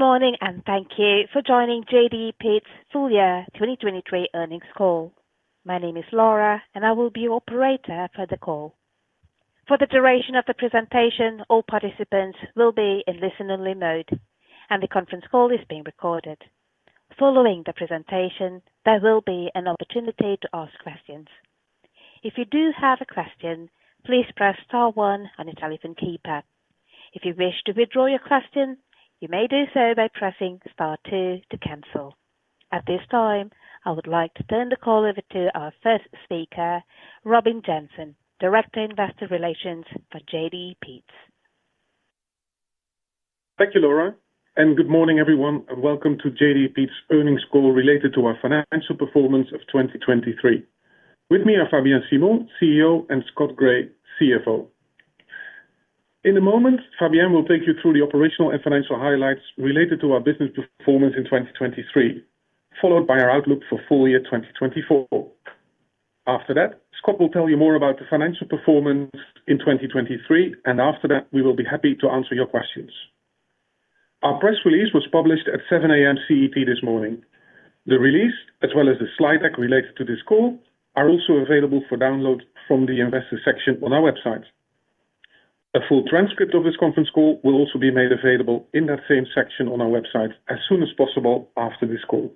Good morning, and thank you for joining JDE Peet's full year 2023 earnings call. My name is Laura, and I will be your operator for the call. For the duration of the presentation, all participants will be in listen-only mode, and the conference call is being recorded. Following the presentation, there will be an opportunity to ask questions. If you do have a question, please press star one on your telephone keypad. If you wish to withdraw your question, you may do so by pressing star two to cancel. At this time, I would like to turn the call over to our first speaker, Robin Jansen, Director, Investor Relations for JDE Peet's. Thank you, Laura, and good morning, everyone, and welcome to JDE Peet's earnings call related to our financial performance of 2023. With me are Fabien Simon, CEO, and Scott Gray, CFO. In a moment, Fabien will take you through the operational and financial highlights related to our business performance in 2023, followed by our outlook for full year 2024. After that, Scott will tell you more about the financial performance in 2023, and after that, we will be happy to answer your questions. Our press release was published at 7:00 A.M. CET this morning. The release, as well as the slide deck related to this call, are also available for download from the investor section on our website. A full transcript of this conference call will also be made available in that same section on our website as soon as possible after this call.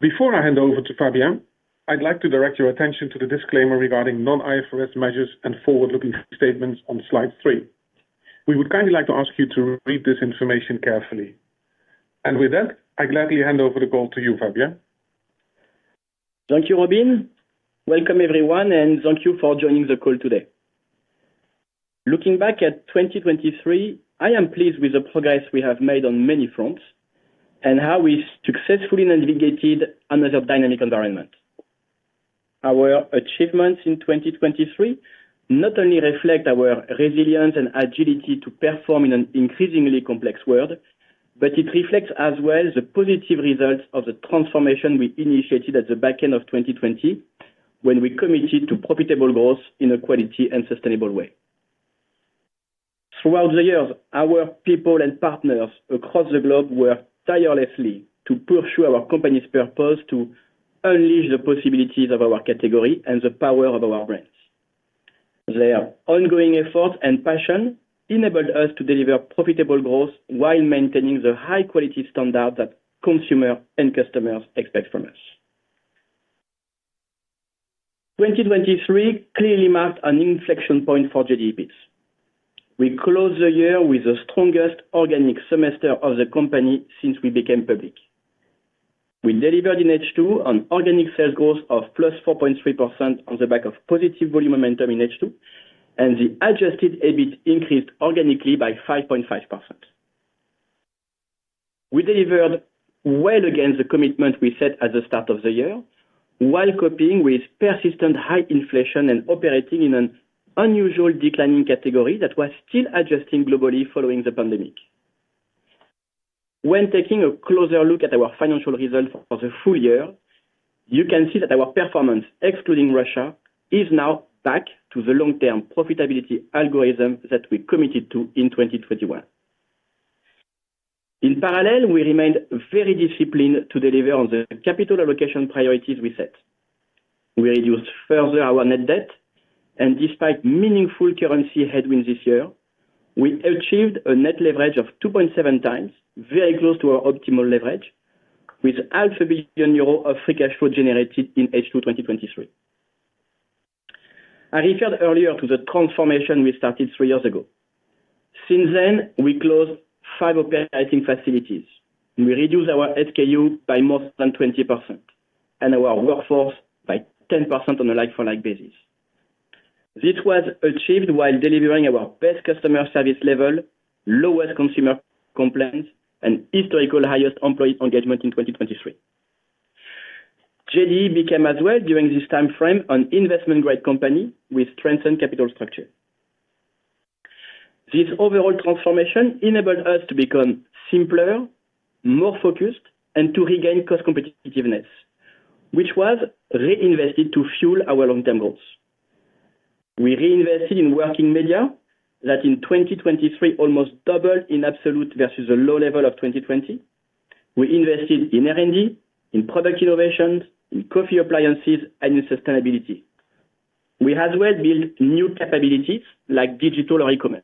Before I hand over to Fabien, I'd like to direct your attention to the disclaimer regarding non-IFRS measures and forward-looking statements on slide 3. We would kindly like to ask you to read this information carefully. With that, I gladly hand over the call to you, Fabien. Thank you, Robin. Welcome, everyone, and thank you for joining the call today. Looking back at 2023, I am pleased with the progress we have made on many fronts and how we successfully navigated another dynamic environment. Our achievements in 2023 not only reflect our resilience and agility to perform in an increasingly complex world, but it reflects as well the positive results of the transformation we initiated at the back end of 2020, when we committed to profitable growth in a quality and sustainable way. Throughout the years, our people and partners across the globe worked tirelessly to pursue our company's purpose to unleash the possibilities of our category and the power of our brands. Their ongoing effort and passion enabled us to deliver profitable growth while maintaining the high quality standard that consumer and customers expect from us. 2023 clearly marked an inflection point for JDE Peet's. We closed the year with the strongest organic semester of the company since we became public. We delivered in H2 on organic sales growth of +4.3% on the back of positive volume momentum in H2, and the Adjusted EBIT increased organically by 5.5%. We delivered well against the commitment we set at the start of the year, while coping with persistent high inflation and operating in an unusual declining category that was still adjusting globally following the pandemic. When taking a closer look at our financial results for the full year, you can see that our performance, excluding Russia, is now back to the long-term profitability algorithm that we committed to in 2021. In parallel, we remained very disciplined to deliver on the capital allocation priorities we set. We reduced further our net debt, and despite meaningful currency headwinds this year, we achieved a net leverage of 2.7 times, very close to our optimal leverage, with 500 million euro of free cash flow generated in H2 2023. I referred earlier to the transformation we started three years ago. Since then, we closed 5 operating facilities, and we reduced our SKU by more than 20% and our workforce by 10% on a like-for-like basis. This was achieved while delivering our best customer service level, lowest consumer complaints and historical highest employee engagement in 2023. JDE became as well, during this time frame, an investment-grade company with strengthened capital structure. This overall transformation enabled us to become simpler, more focused, and to regain cost competitiveness, which was reinvested to fuel our long-term goals. We reinvested in working media that in 2023, almost doubled in absolute versus a low level of 2020. We invested in R&D, in product innovations, in coffee appliances, and in sustainability. We as well built new capabilities like digital or e-commerce.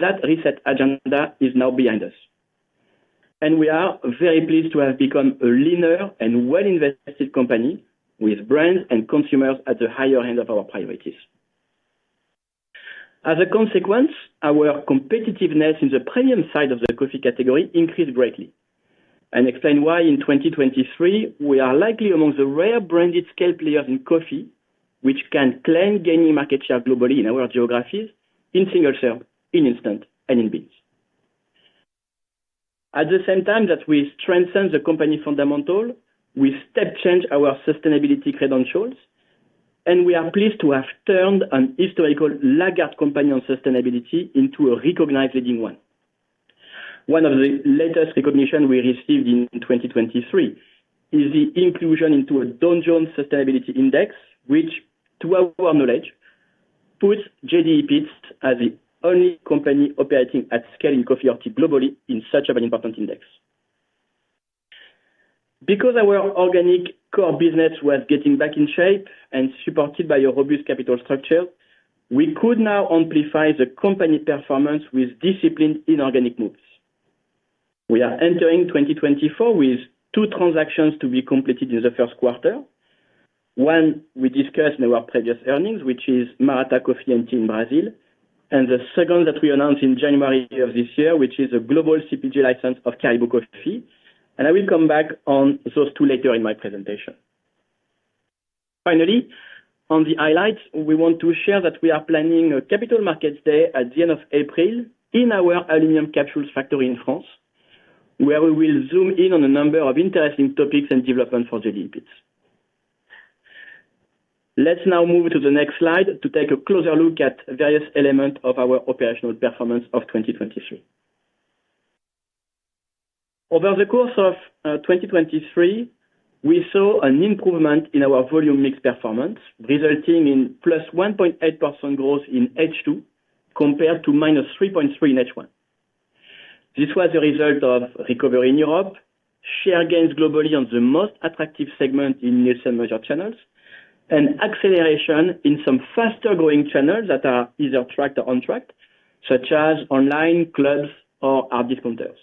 That reset agenda is now behind us, and we are very pleased to have become a leaner and well-invested company with brands and consumers at the higher end of our priorities. As a consequence, our competitiveness in the premium side of the coffee category increased greatly and explain why in 2023, we are likely among the rare branded scale players in coffee, which can claim gaining market share globally in our geographies, in single serve, in instant, and in beans. At the same time that we strengthen the company fundamental, we step change our sustainability credentials, and we are pleased to have turned an historical laggard company on sustainability into a recognized leading one. One of the latest recognitions we received in 2023 is the inclusion into the Dow Jones Sustainability Index, which, to our knowledge, puts JDE Peet's as the only company operating at scale in coffee & tea globally in such an important index. Because our organic core business was getting back in shape and supported by a robust capital structure, we could now amplify the company performance with discipline in organic moves. We are entering 2024 with two transactions to be completed in the first quarter. One, we discussed in our previous earnings, which is Maratá Coffee in Brazil, and the second that we announced in January of this year, which is a global CPG license of Caribou Coffee, and I will come back on those two later in my presentation. Finally, on the highlights, we want to share that we are planning a capital markets day at the end of April in our aluminum capsules factory in France, where we will zoom in on a number of interesting topics and developments for JDE Peet's. Let's now move to the next slide to take a closer look at various elements of our operational performance of 2023. Over the course of 2023, we saw an improvement in our volume mix performance, resulting in +1.8% growth in H2, compared to -3.3 in H1. This was a result of recovery in Europe, share gains globally on the most attractive segment in nascent major channels, and acceleration in some faster-growing channels that are either tracked or on track, such as online, clubs or hard discounters.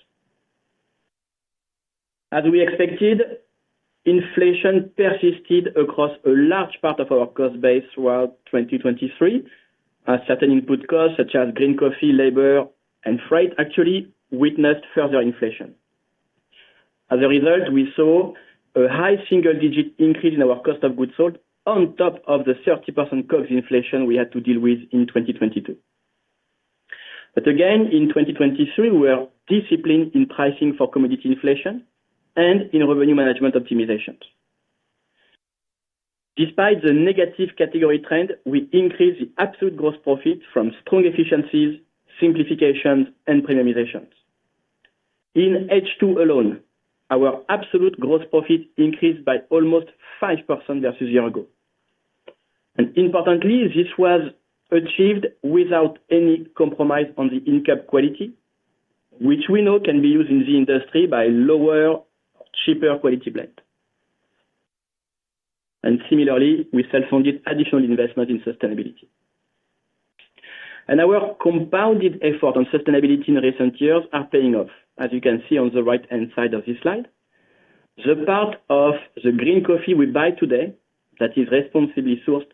As we expected, inflation persisted across a large part of our cost base throughout 2023, as certain input costs, such as green coffee, labor, and freight, actually witnessed further inflation. As a result, we saw a high single digit increase in our cost of goods sold on top of the 30% COGS inflation we had to deal with in 2022. But again, in 2023, we are disciplined in pricing for commodity inflation and in revenue management optimizations. Despite the negative category trend, we increased the absolute gross profit from strong efficiencies, simplifications, and premiumizations. In H2 alone, our absolute gross profit increased by almost 5% versus year ago. Importantly, this was achieved without any compromise on the income quality, which we know can be used in the industry by lower, cheaper quality blend. Similarly, we self-funded additional investment in sustainability. Our compounded effort on sustainability in recent years are paying off. As you can see on the right-hand side of this slide, the part of the green coffee we buy today that is responsibly sourced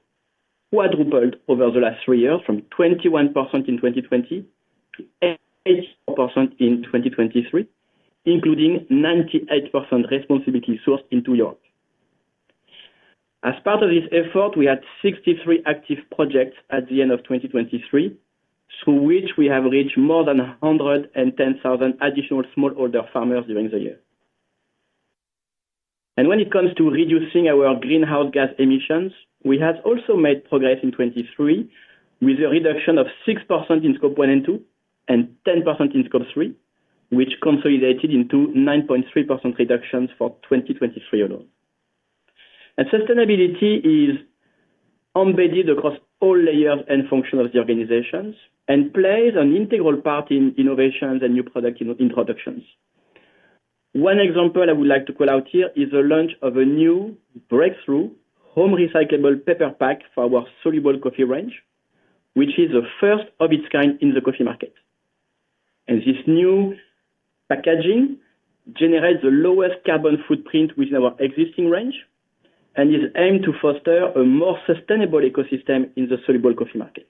quadrupled over the last three years, from 21% in 2020 to 84% in 2023, including 98% responsibly sourced into Europe. As part of this effort, we had 63 active projects at the end of 2023, through which we have reached more than 110,000 additional smallholder farmers during the year. When it comes to reducing our greenhouse gas emissions, we have also made progress in 2023, with a reduction of 6% in Scope 1 and 2, and 10% in Scope 3, which consolidated into 9.3% reductions for 2023 alone. Sustainability is embedded across all layers and functions of the organizations and plays an integral part in innovations and new product introductions. One example I would like to call out here is the launch of a new breakthrough, home recyclable paper pack for our soluble coffee range, which is the first of its kind in the coffee market. This new packaging generates the lowest carbon footprint within our existing range and is aimed to foster a more sustainable ecosystem in the soluble coffee market.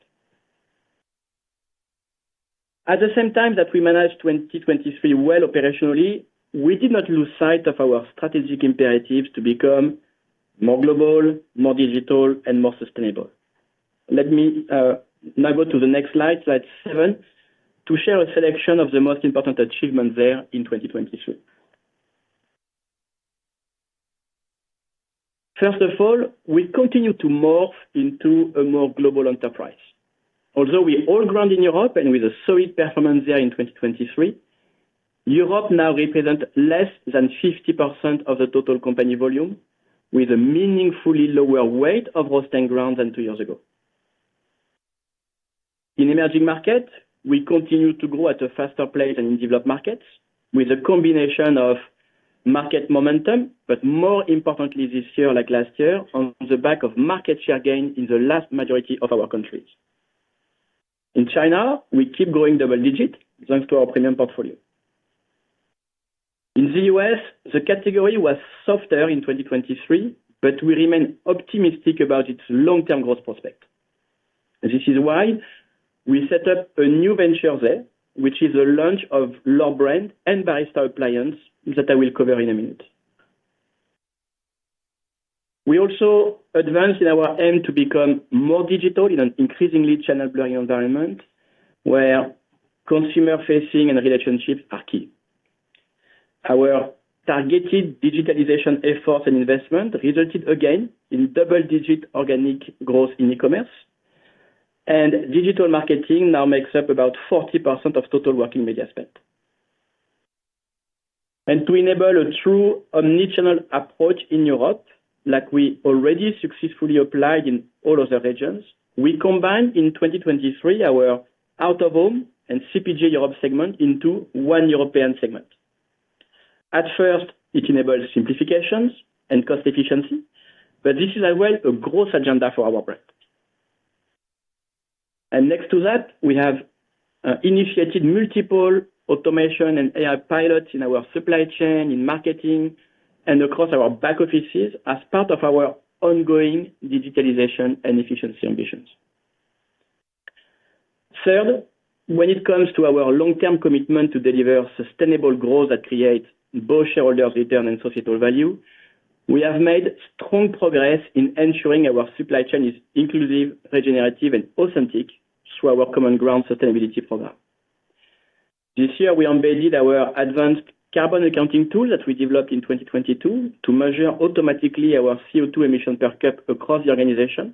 At the same time that we managed 2023 well operationally, we did not lose sight of our strategic imperatives to become more global, more digital, and more sustainable. Let me now go to the next slide, slide 7, to share a selection of the most important achievements there in 2023. First of all, we continue to morph into a more global enterprise. Although we are all grounded in Europe and with a solid performance there in 2023, Europe now represent less than 50% of the total company volume, with a meaningfully lower weight of roast and ground than two years ago. In emerging markets, we continue to grow at a faster pace than in developed markets, with a combination of market momentum, but more importantly this year, like last year, on the back of market share gain in the vast majority of our countries. In China, we keep growing double-digit, thanks to our premium portfolio. In the U.S., the category was softer in 2023, but we remain optimistic about its long-term growth prospect. This is why we set up a new venture there, which is a launch of L'OR brand and Barista appliance, that I will cover in a minute. We also advanced in our aim to become more digital in an increasingly channel-blending environment, where consumer facing and relationships are key. Our targeted digitalization efforts and investment resulted again in double-digit organic growth in e-commerce, and digital marketing now makes up about 40% of total working media spend.... and to enable a true omni-channel approach in Europe, like we already successfully applied in all other regions, we combined in 2023, our out-of-home and CPG Europe segment into one European segment. At first, it enabled simplifications and cost efficiency, but this is as well a growth agenda for our brand. And next to that, we have initiated multiple automation and AI pilots in our supply chain, in marketing, and across our back offices as part of our ongoing digitalization and efficiency ambitions. Third, when it comes to our long-term commitment to deliver sustainable growth that creates both shareholder return and societal value, we have made strong progress in ensuring our supply chain is inclusive, regenerative, and authentic through our Common Grounds sustainability program. This year, we embedded our advanced carbon accounting tool that we developed in 2022 to measure automatically our CO2 emission per cap across the organization,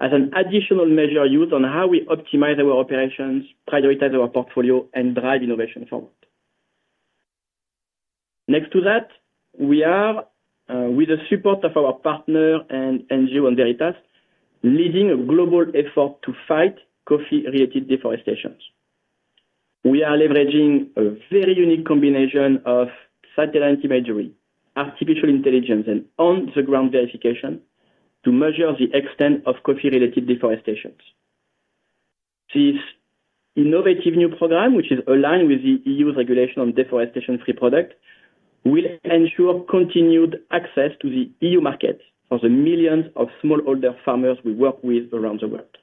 as an additional measure used on how we optimize our operations, prioritize our portfolio, and drive innovation forward. Next to that, we are with the support of our partner and NGO, Enveritas, leading a global effort to fight coffee-related deforestation. We are leveraging a very unique combination of satellite imagery, artificial intelligence, and on-the-ground verification to measure the extent of coffee-related deforestation. This innovative new program, which is aligned with the EU's regulation on deforestation-free product, will ensure continued access to the EU market for the millions of smallholder farmers we work with around the world.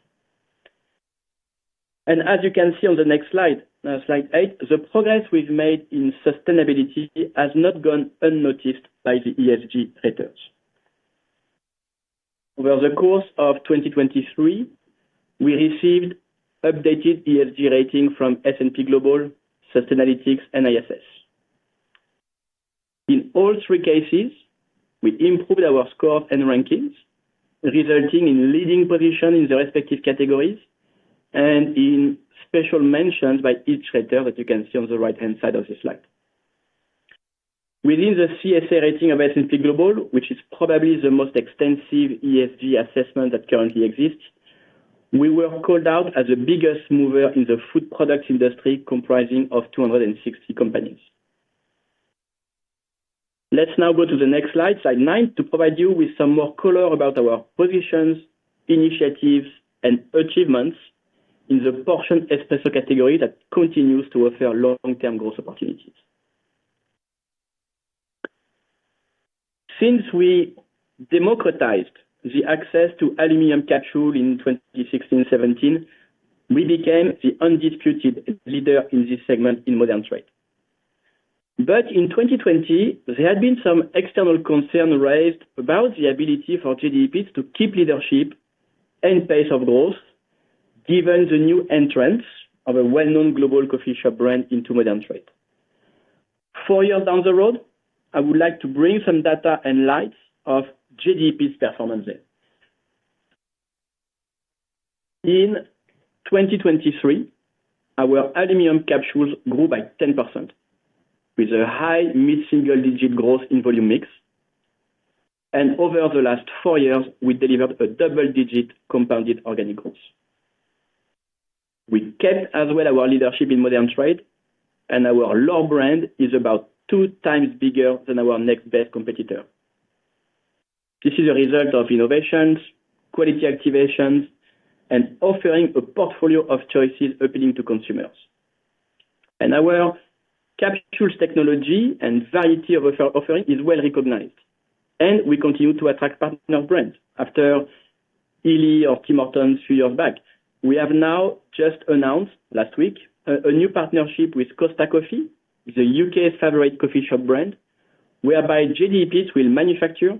As you can see on the next slide, slide 8, the progress we've made in sustainability has not gone unnoticed by the ESG raters. Over the course of 2023, we received updated ESG rating from S&P Global, Sustainalytics, and ISS. In all three cases, we improved our scores and rankings, resulting in leading position in the respective categories and in special mentions by each rater, as you can see on the right-hand side of this slide. Within the CSA rating of S&P Global, which is probably the most extensive ESG assessment that currently exists, we were called out as the biggest mover in the food product industry, comprising of 260 companies. Let's now go to the next slide, slide 9, to provide you with some more color about our positions, initiatives, and achievements in the portion espresso category that continues to offer long-term growth opportunities. Since we democratized the access to aluminum capsule in 2016, 2017, we became the undisputed leader in this segment in modern trade. But in 2020, there had been some external concern raised about the ability for JDE Peet's to keep leadership and pace of growth, given the new entrants of a well-known global coffee shop brand into modern trade. Four years down the road, I would like to bring some data and insights of JDE Peet's performance there. In 2023, our aluminum capsules grew by 10%, with a high mid-single digit growth in volume mix, and over the last four years, we delivered a double-digit compounded organic growth. We kept as well our leadership in modern trade, and our L'OR brand is about two times bigger than our next best competitor. This is a result of innovations, quality activations, and offering a portfolio of choices appealing to consumers. And our capsule technology and variety of offering is well recognized, and we continue to attract partner brands. After Illy or Tim Hortons three years back, we have now just announced, last week, a new partnership with Costa Coffee, the U.K.'s favorite coffee shop brand, whereby JDE Peet's will manufacture,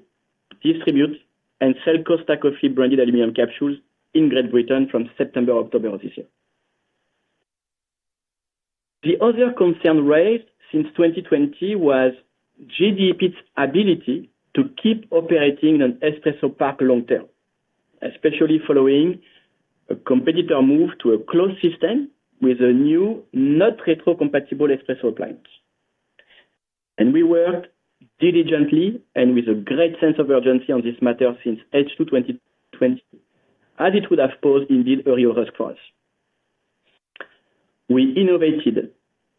distribute, and sell Costa Coffee branded aluminum capsules in Great Britain from September-October this year. The other concern raised since 2020 was JDE Peet's ability to keep operating an espresso pack long term, especially following a competitor move to a closed system with a new, not retro compatible espresso appliance. And we worked diligently and with a great sense of urgency on this matter since H2 2020, as it would have caused indeed a reverse for us. We innovated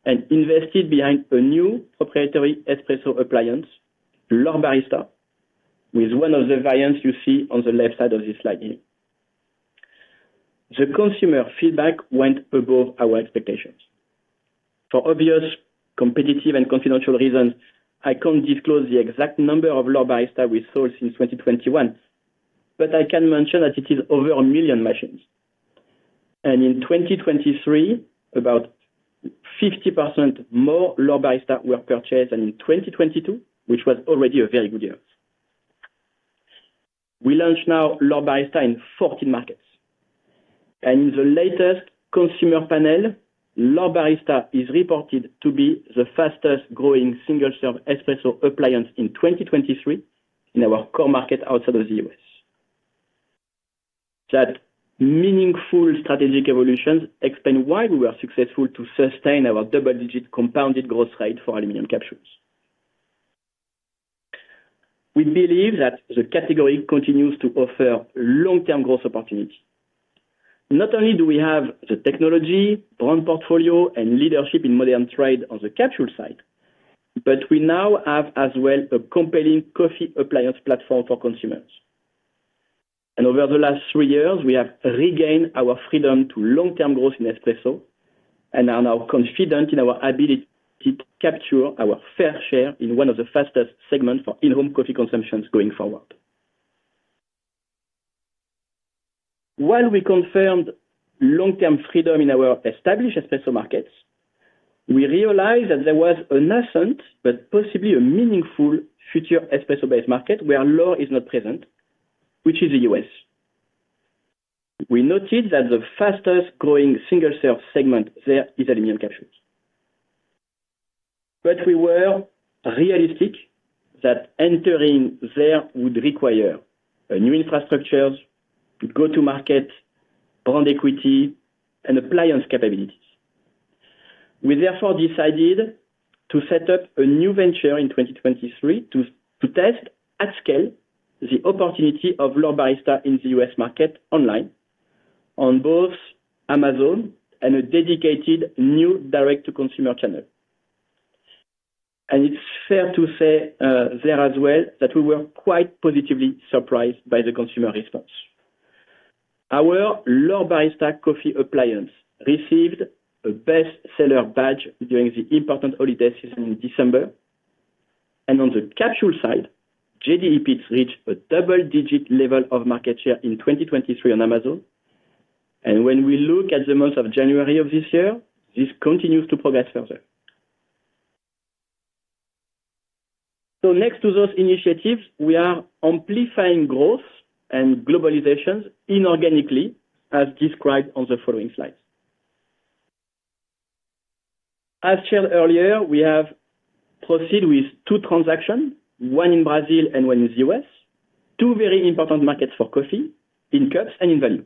and invested behind a new proprietary espresso appliance, L'OR Barista, with one of the variants you see on the left side of this slide here. The consumer feedback went above our expectations. For obvious, competitive, and confidential reasons, I can't disclose the exact number of L'OR Barista we sold since 2021, but I can mention that it is over 1 million machines. In 2023, about 50% more L'OR Barista were purchased than in 2022, which was already a very good year. We launched now L'OR Barista in 14 markets, and in the latest consumer panel, L'OR Barista is reported to be the fastest growing single-serve espresso appliance in 2023 in our core market outside of the U.S.... That meaningful strategic evolutions explain why we were successful to sustain our double-digit compounded growth rate for aluminum capsules. We believe that the category continues to offer long-term growth opportunities. Not only do we have the technology, brand portfolio, and leadership in modern trade on the capsule side, but we now have as well, a compelling coffee appliance platform for consumers. Over the last three years, we have regained our freedom to long-term growth in espresso, and are now confident in our ability to capture our fair share in one of the fastest segments for in-home coffee consumptions going forward. While we confirmed long-term freedom in our established espresso markets, we realized that there was a nascent, but possibly a meaningful future espresso-based market where L'OR is not present, which is the U.S. We noted that the fastest growing single-serve segment there is aluminum capsules. But we were realistic that entering there would require a new infrastructures, go-to-market, brand equity, and appliance capabilities. We therefore decided to set up a new venture in 2023 to test at scale the opportunity of L'OR Barista in the U.S. market online, on both Amazon and a dedicated new direct-to-consumer channel. It's fair to say there as well that we were quite positively surprised by the consumer response. Our L'OR Barista coffee appliance received a best seller badge during the important holiday season in December, and on the capsule side, JDE reached a double-digit level of market share in 2023 on Amazon. When we look at the month of January of this year, this continues to progress further. Next to those initiatives, we are amplifying growth and globalization inorganically, as described on the following slides. As shared earlier, we have proceeded with 2 transactions, one in Brazil and one in the U.S. Two very important markets for coffee, in cups and in value.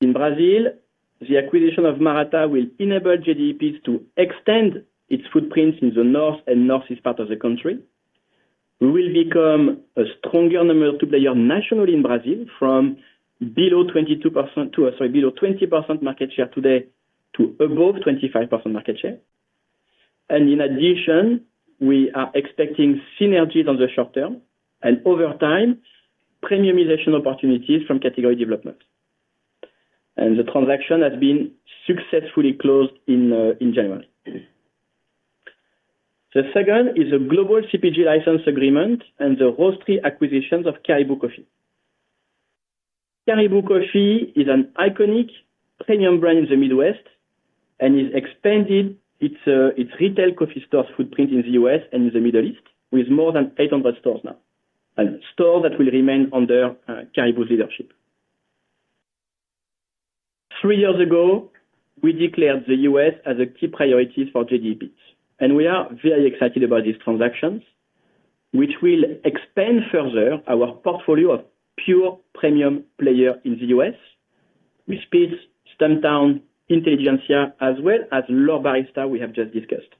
In Brazil, the acquisition of Maratá will enable JDE Peet's to extend its footprints in the north and northeast part of the country. We will become a stronger number two player nationally in Brazil, from below 22% to, sorry, below 20% market share today, to above 25% market share. In addition, we are expecting synergies on the short term, and over time, premiumization opportunities from category development. The transaction has been successfully closed in January. The second is a global CPG license agreement and the roastery acquisitions of Caribou Coffee. Caribou Coffee is an iconic premium brand in the Midwest, and has expanded its retail coffee stores footprint in the U.S. and in the Middle East, with more than 800 stores now. Stores that will remain under Caribou's leadership. Three years ago, we declared the U.S. as a key priority for JDE Peet's, and we are very excited about these transactions, which will expand further our portfolio of pure premium player in the U.S. with Peet's, Stumptown, Intelligentsia, as well as L'OR Barista we have just discussed.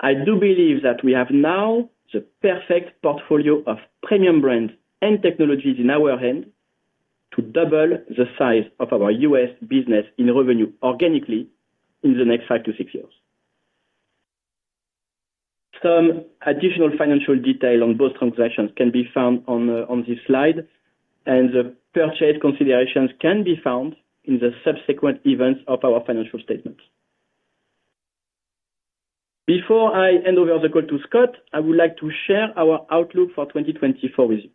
I do believe that we have now the perfect portfolio of premium brands and technologies in our hand, to double the size of our U.S. business in revenue organically in the next five to six years. Some additional financial detail on both transactions can be found on this slide, and the purchase considerations can be found in the subsequent events of our financial statements. Before I hand over the call to Scott, I would like to share our outlook for 2024 with you.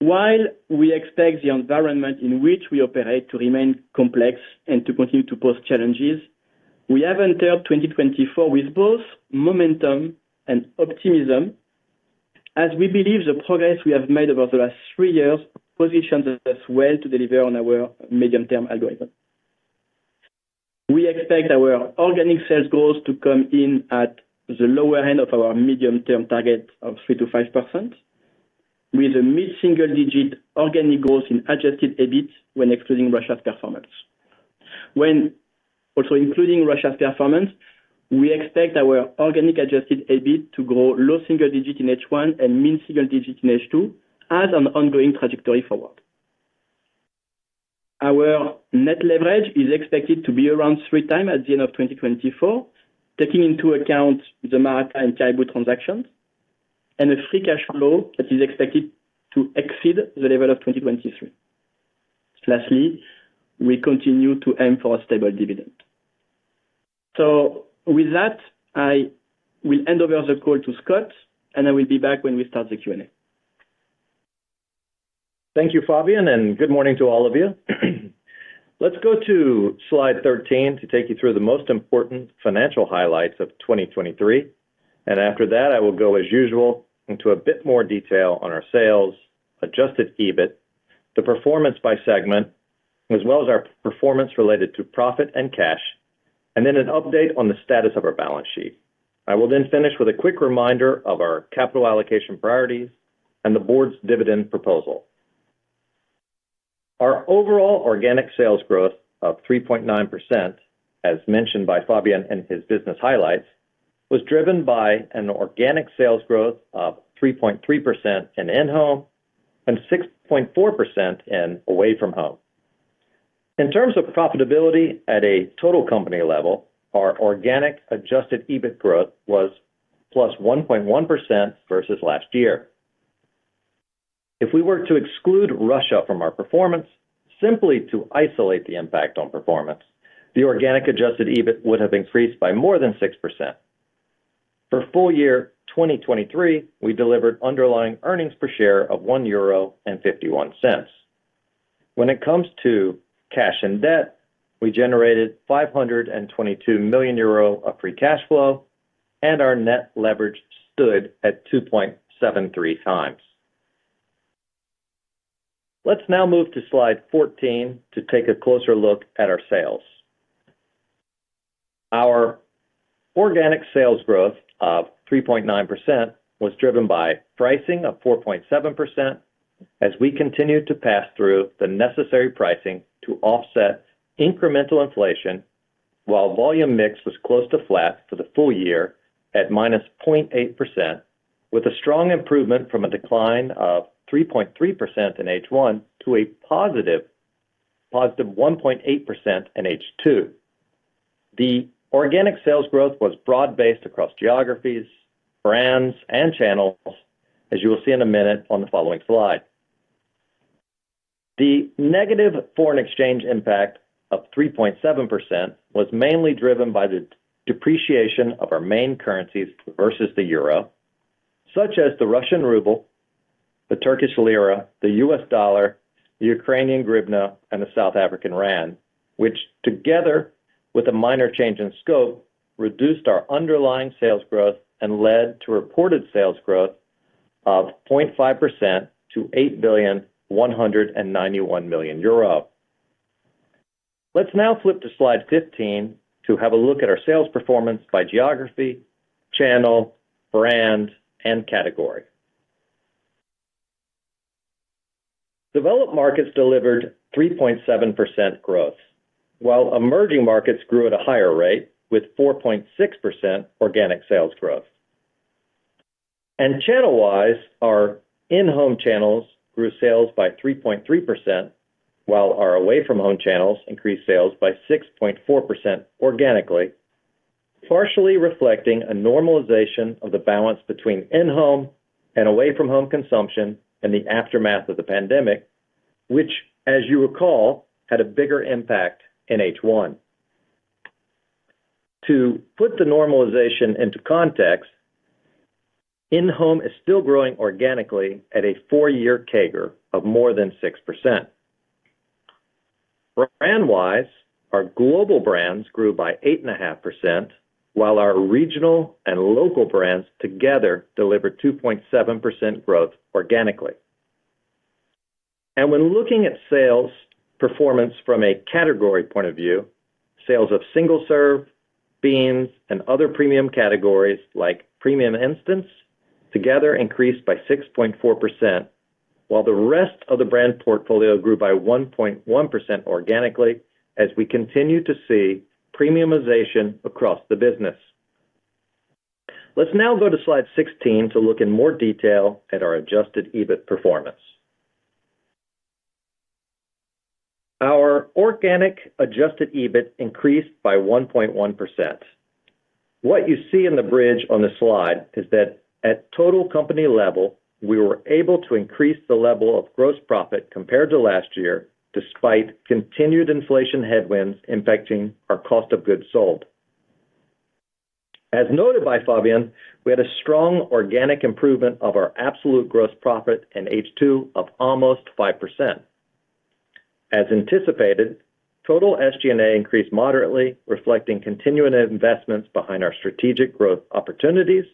While we expect the environment in which we operate to remain complex and to continue to pose challenges, we have entered 2024 with both momentum and optimism, as we believe the progress we have made over the last three years positions us well to deliver on our medium-term algorithm. We expect our organic sales growth to come in at the lower end of our medium-term target of 3%-5%, with a mid-single-digit organic growth in adjusted EBIT when excluding Russia's performance. Also, including Russia's performance, we expect our organic adjusted EBIT to grow low single-digit in H1 and mid-single-digit in H2, as an ongoing trajectory forward. Our net leverage is expected to be around 3 times at the end of 2024, taking into account the Maratá and Caribou transactions, and a free cash flow that is expected to exceed the level of 2023. Lastly, we continue to aim for a stable dividend. So with that, I will hand over the call to Scott, and I will be back when we start the Q&A. Thank you, Fabien, and good morning to all of you. Let's go to slide 13 to take you through the most important financial highlights of 2023, and after that, I will go, as usual, into a bit more detail on our sales, adjusted EBIT, the performance by segment, as well as our performance related to profit and cash, and then an update on the status of our balance sheet. I will then finish with a quick reminder of our capital allocation priorities and the board's dividend proposal. Our overall organic sales growth of 3.9%, as mentioned by Fabien in his business highlights, was driven by an organic sales growth of 3.3% in-home and 6.4% away from home. In terms of profitability at a total company level, our organic adjusted EBIT growth was +1.1% versus last year. If we were to exclude Russia from our performance, simply to isolate the impact on performance, the organic adjusted EBIT would have increased by more than 6%. For full year 2023, we delivered underlying earnings per share of 1.51 euro. When it comes to cash and debt, we generated 522 million euro of free cash flow, and our net leverage stood at 2.73x. Let's now move to slide 14 to take a closer look at our sales. Our organic sales growth of 3.9% was driven by pricing of 4.7%, as we continued to pass through the necessary pricing to offset incremental inflation, while volume mix was close to flat for the full year at -0.8%, with a strong improvement from a decline of 3.3% in H1 to a positive, +1.8% in H2. The organic sales growth was broad-based across geographies, brands, and channels, as you will see in a minute on the following slide. The negative foreign exchange impact of 3.7% was mainly driven by the depreciation of our main currencies versus the euro, such as the Russian ruble, the Turkish lira, the U.S. dollar, the Ukrainian hryvnia, and the South African rand, which together with a minor change in scope, reduced our underlying sales growth and led to reported sales growth of 0.5% to 8,191 million euro. Let's now flip to slide 15 to have a look at our sales performance by geography, channel, brand, and category. Developed markets delivered 3.7% growth, while emerging markets grew at a higher rate, with 4.6% organic sales growth. Channel-wise, our in-home channels grew sales by 3.3%, while our away from home channels increased sales by 6.4% organically, partially reflecting a normalization of the balance between in-home and away from home consumption in the aftermath of the pandemic, which, as you recall, had a bigger impact in H1. To put the normalization into context, in-home is still growing organically at a 4-year CAGR of more than 6%. Brand-wise, our global brands grew by 8.5%, while our regional and local brands together delivered 2.7% growth organically. When looking at sales performance from a category point of view, sales of single-serve, beans, and other premium categories like premium instants, together increased by 6.4%, while the rest of the brand portfolio grew by 1.1% organically as we continue to see premiumization across the business. Let's now go to slide 16 to look in more detail at our adjusted EBIT performance. Our organic adjusted EBIT increased by 1.1%. What you see in the bridge on the slide is that at total company level, we were able to increase the level of gross profit compared to last year, despite continued inflation headwinds impacting our cost of goods sold. As noted by Fabien, we had a strong organic improvement of our absolute gross profit in H2 of almost 5%. As anticipated, total SG&A increased moderately, reflecting continuing investments behind our strategic growth opportunities,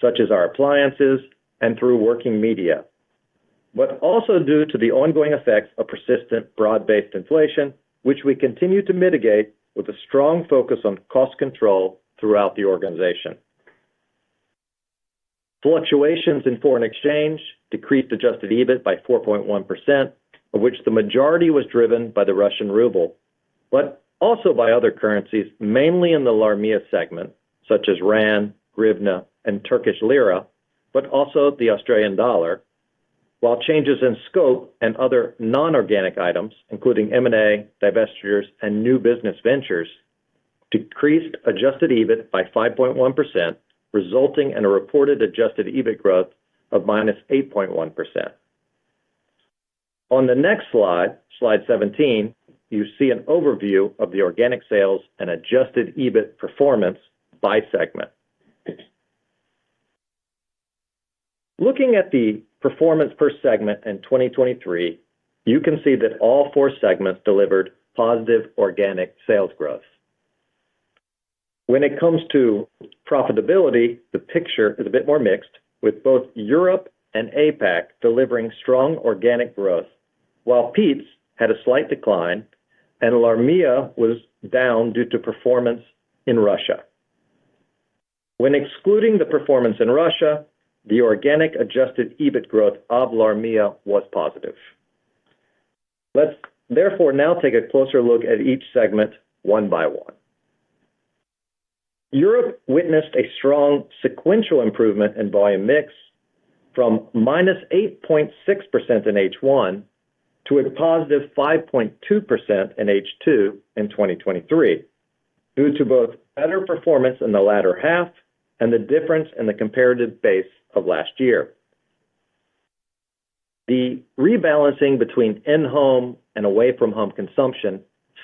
such as our appliances and through working media, but also due to the ongoing effects of persistent, broad-based inflation, which we continue to mitigate with a strong focus on cost control throughout the organization. Fluctuations in foreign exchange decreased adjusted EBIT by 4.1%, of which the majority was driven by the Russian ruble, but also by other currencies, mainly in the LARMEA segment, such as rand, hryvnia, and Turkish lira, but also the Australian dollar, while changes in scope and other non-organic items, including M&A, divestitures, and new business ventures, decreased adjusted EBIT by 5.1%, resulting in a reported adjusted EBIT growth of -8.1%. On the next slide, slide 17, you see an overview of the organic sales and adjusted EBIT performance by segment. Looking at the performance per segment in 2023, you can see that all four segments delivered positive organic sales growth. When it comes to profitability, the picture is a bit more mixed, with both Europe and APAC delivering strong organic growth, while Peet's had a slight decline and LARMEA was down due to performance in Russia. When excluding the performance in Russia, the organic adjusted EBIT growth of LARMEA was positive. Let's therefore now take a closer look at each segment one by one. Europe witnessed a strong sequential improvement in volume mix from -8.6% in H1 to a +5.2% in H2 in 2023, due to both better performance in the latter half and the difference in the comparative base of last year. The rebalancing between in-home and away-from-home consumption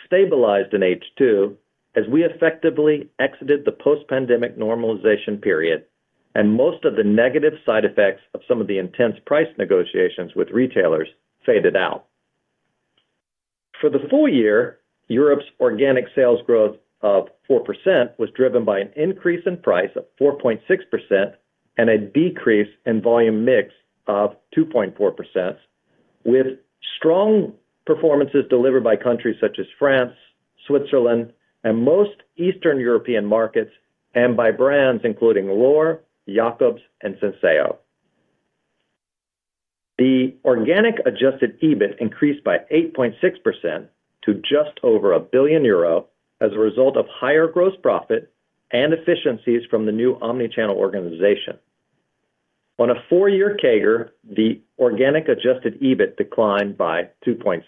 stabilized in H2 as we effectively exited the post-pandemic normalization period, and most of the negative side effects of some of the intense price negotiations with retailers faded out. For the full year, Europe's organic sales growth of 4% was driven by an increase in price of 4.6% and a decrease in volume mix of 2.4%, with strong performances delivered by countries such as France, Switzerland, and most Eastern European markets, and by brands including L'OR, Jacobs, and Senseo. The organic adjusted EBIT increased by 8.6% to just over 1 billion euro as a result of higher gross profit and efficiencies from the new omni-channel organization. On a four-year CAGR, the organic adjusted EBIT declined by 2.7%.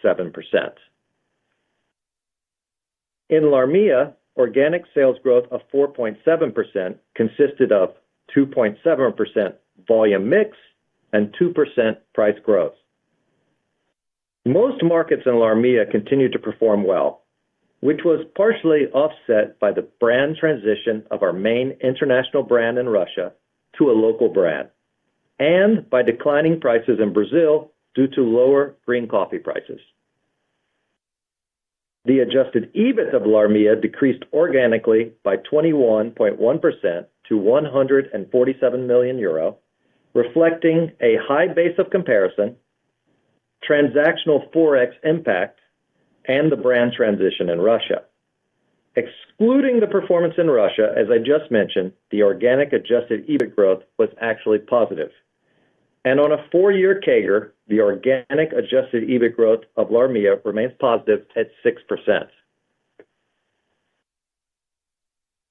In LARMEA, organic sales growth of 4.7% consisted of 2.7% volume mix and 2% price growth. Most markets in LARMEA continued to perform well, which was partially offset by the brand transition of our main international brand in Russia to a local brand, and by declining prices in Brazil due to lower green coffee prices. The adjusted EBIT of LARMEA decreased organically by 21.1% to 147 million euro, reflecting a high base of comparison, transactional forex impact, and the brand transition in Russia. Excluding the performance in Russia, as I just mentioned, the organic adjusted EBIT growth was actually positive, and on a 4-year CAGR, the organic adjusted EBIT growth of LARMEA remains positive at 6%.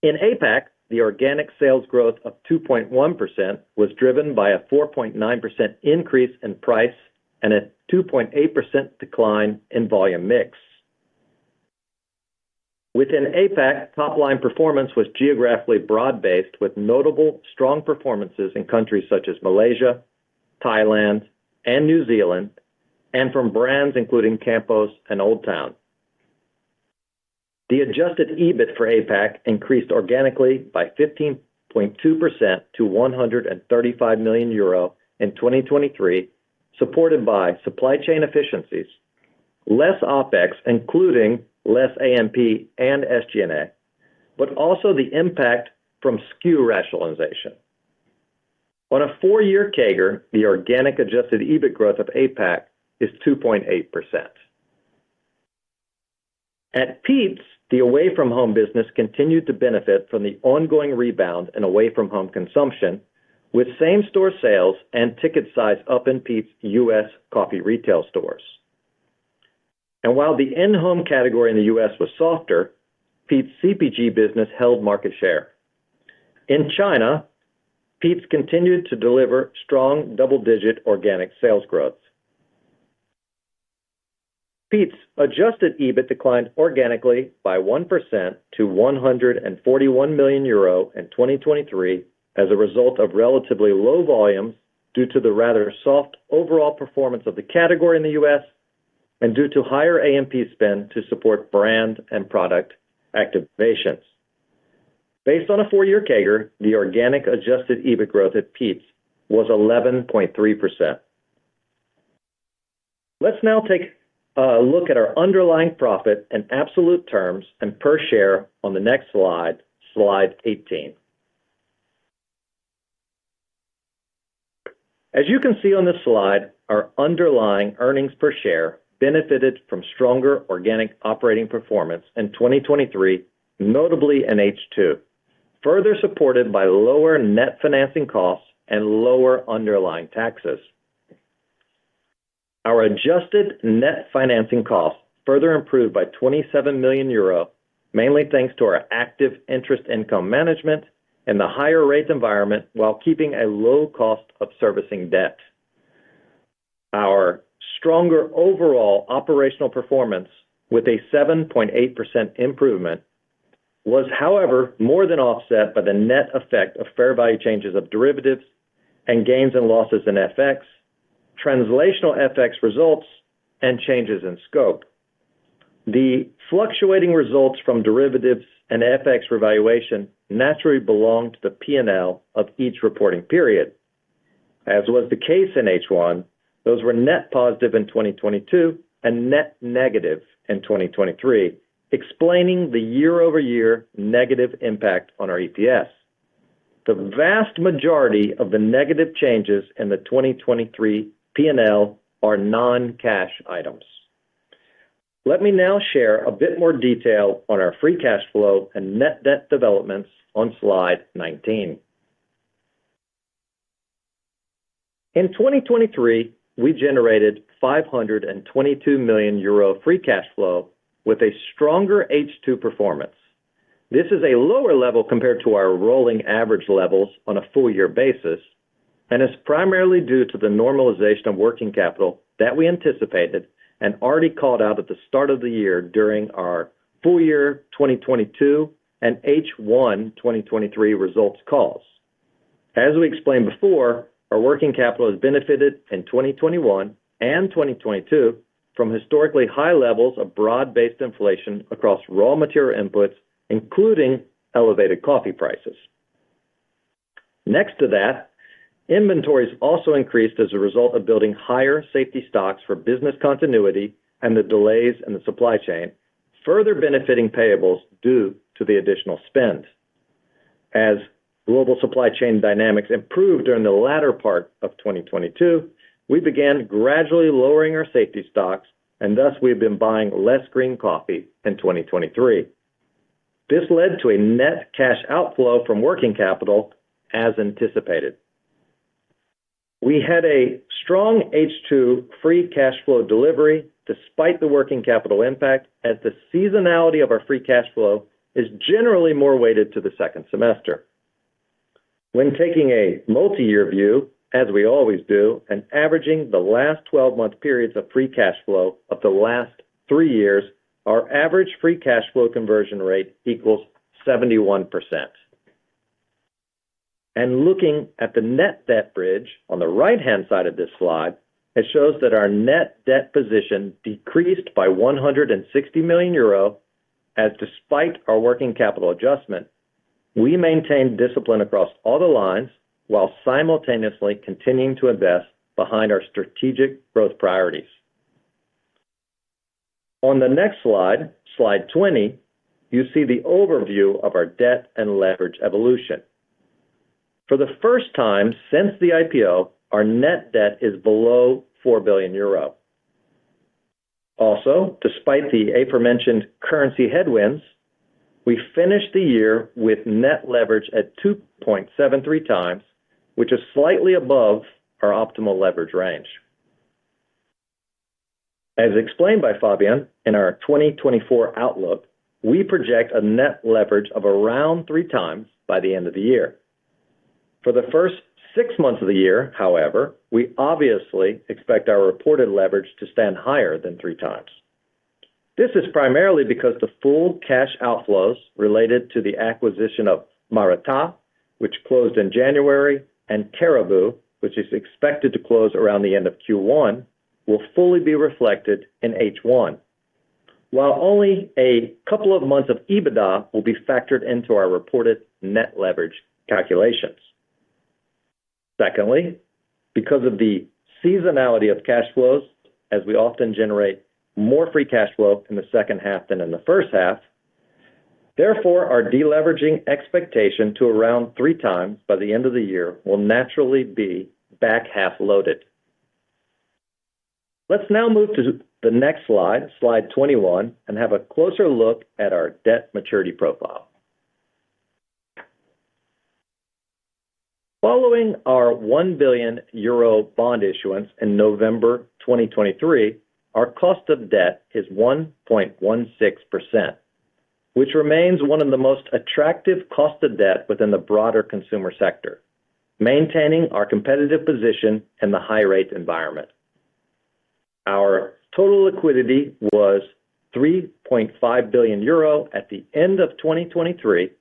In APAC, the organic sales growth of 2.1% was driven by a 4.9% increase in price and a 2.8% decline in volume mix. Within APAC, top-line performance was geographically broad-based, with notable strong performances in countries such as Malaysia, Thailand, and New Zealand, and from brands including Campos and OldTown. The adjusted EBIT for APAC increased organically by 15.2% to 135 million euro in 2023, supported by supply chain efficiencies, less OpEx, including less A&P and SG&A, but also the impact from SKU rationalization. On a 4-year CAGR, the organic adjusted EBIT growth of APAC is 2.8%. At Peet's, the away-from-home business continued to benefit from the ongoing rebound in away-from-home consumption, with same-store sales and ticket size up in Peet's U.S. coffee retail stores. While the in-home category in the U.S. was softer, Peet's CPG business held market share. In China, Peet's continued to deliver strong double-digit organic sales growth. Peet's adjusted EBIT declined organically by 1% to 141 million euro in 2023 as a result of relatively low volumes, due to the rather soft overall performance of the category in the U.S. and due to higher A&P spend to support brand and product activations. Based on a 4-year CAGR, the organic adjusted EBIT growth at Peet's was 11.3%. Let's now take a look at our underlying profit in absolute terms and per share on the next slide, slide 18. As you can see on this slide, our underlying earnings per share benefited from stronger organic operating performance in 2023, notably in H2, further supported by lower net financing costs and lower underlying taxes. Our adjusted net financing costs further improved by 27 million euro, mainly thanks to our active interest income management and the higher rate environment, while keeping a low cost of servicing debt. Our stronger overall operational performance, with a 7.8% improvement, was, however, more than offset by the net effect of fair value changes of derivatives and gains and losses in FX, translational FX results, and changes in scope. The fluctuating results from derivatives and FX revaluation naturally belong to the P&L of each reporting period... As was the case in H1, those were net positive in 2022 and net negative in 2023, explaining the year-over-year negative impact on our EPS. The vast majority of the negative changes in the 2023 P&L are non-cash items. Let me now share a bit more detail on our free cash flow and net debt developments on slide 19. In 2023, we generated 522 million euro free cash flow with a stronger H2 performance. This is a lower level compared to our rolling average levels on a full year basis, and is primarily due to the normalization of working capital that we anticipated and already called out at the start of the year during our full year 2022 and H1 2023 results calls. As we explained before, our working capital has benefited in 2021 and 2022 from historically high levels of broad-based inflation across raw material inputs, including elevated coffee prices. Next to that, inventories also increased as a result of building higher safety stocks for business continuity and the delays in the supply chain, further benefiting payables due to the additional spend. As global supply chain dynamics improved during the latter part of 2022, we began gradually lowering our safety stocks, and thus we've been buying less green coffee in 2023. This led to a net cash outflow from working capital as anticipated. We had a strong H2 free cash flow delivery despite the working capital impact, as the seasonality of our free cash flow is generally more weighted to the second semester. When taking a multiyear view, as we always do, and averaging the last 12-month periods of free cash flow of the last 3 years, our average free cash flow conversion rate equals 71%. Looking at the net debt bridge on the right-hand side of this slide, it shows that our net debt position decreased by 160 million euro, as despite our working capital adjustment, we maintained discipline across all the lines while simultaneously continuing to invest behind our strategic growth priorities. On the next slide, slide 20, you see the overview of our debt and leverage evolution. For the first time since the IPO, our net debt is below 4 billion euro. Also, despite the aforementioned currency headwinds, we finished the year with net leverage at 2.73 times, which is slightly above our optimal leverage range. As explained by Fabien in our 2024 outlook, we project a net leverage of around 3 times by the end of the year. For the first six months of the year, however, we obviously expect our reported leverage to stand higher than 3x. This is primarily because the full cash outflows related to the acquisition of Maratá, which closed in January, and Caribou, which is expected to close around the end of Q1, will fully be reflected in H1, while only a couple of months of EBITDA will be factored into our reported net leverage calculations. Secondly, because of the seasonality of cash flows, as we often generate more free cash flow in the second half than in the first half, therefore, our deleveraging expectation to around 3x by the end of the year will naturally be back half loaded. Let's now move to the next slide, slide 21, and have a closer look at our debt maturity profile. Following our 1 billion euro bond issuance in November 2023, our cost of debt is 1.16%, which remains one of the most attractive cost of debt within the broader consumer sector, maintaining our competitive position in the high rate environment. Our total liquidity was 3.5 billion euro at the end of 2023,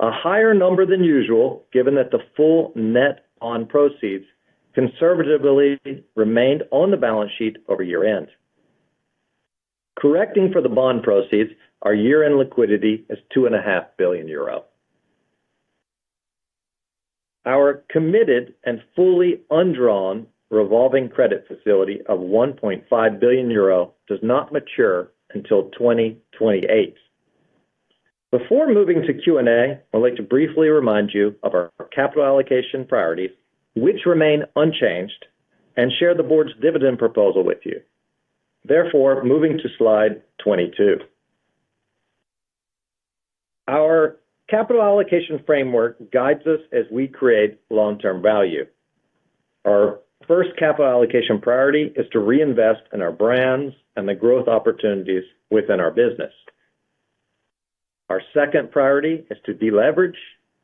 a higher number than usual, given that the full net on proceeds conservatively remained on the balance sheet over year-end. Correcting for the bond proceeds, our year-end liquidity is 2.5 billion euro. Our committed and fully undrawn revolving credit facility of 1.5 billion euro does not mature until 2028. Before moving to Q&A, I'd like to briefly remind you of our capital allocation priorities, which remain unchanged, and share the board's dividend proposal with you. Therefore, moving to slide 22. Our capital allocation framework guides us as we create long-term value. Our first capital allocation priority is to reinvest in our brands and the growth opportunities within our business. Our second priority is to deleverage,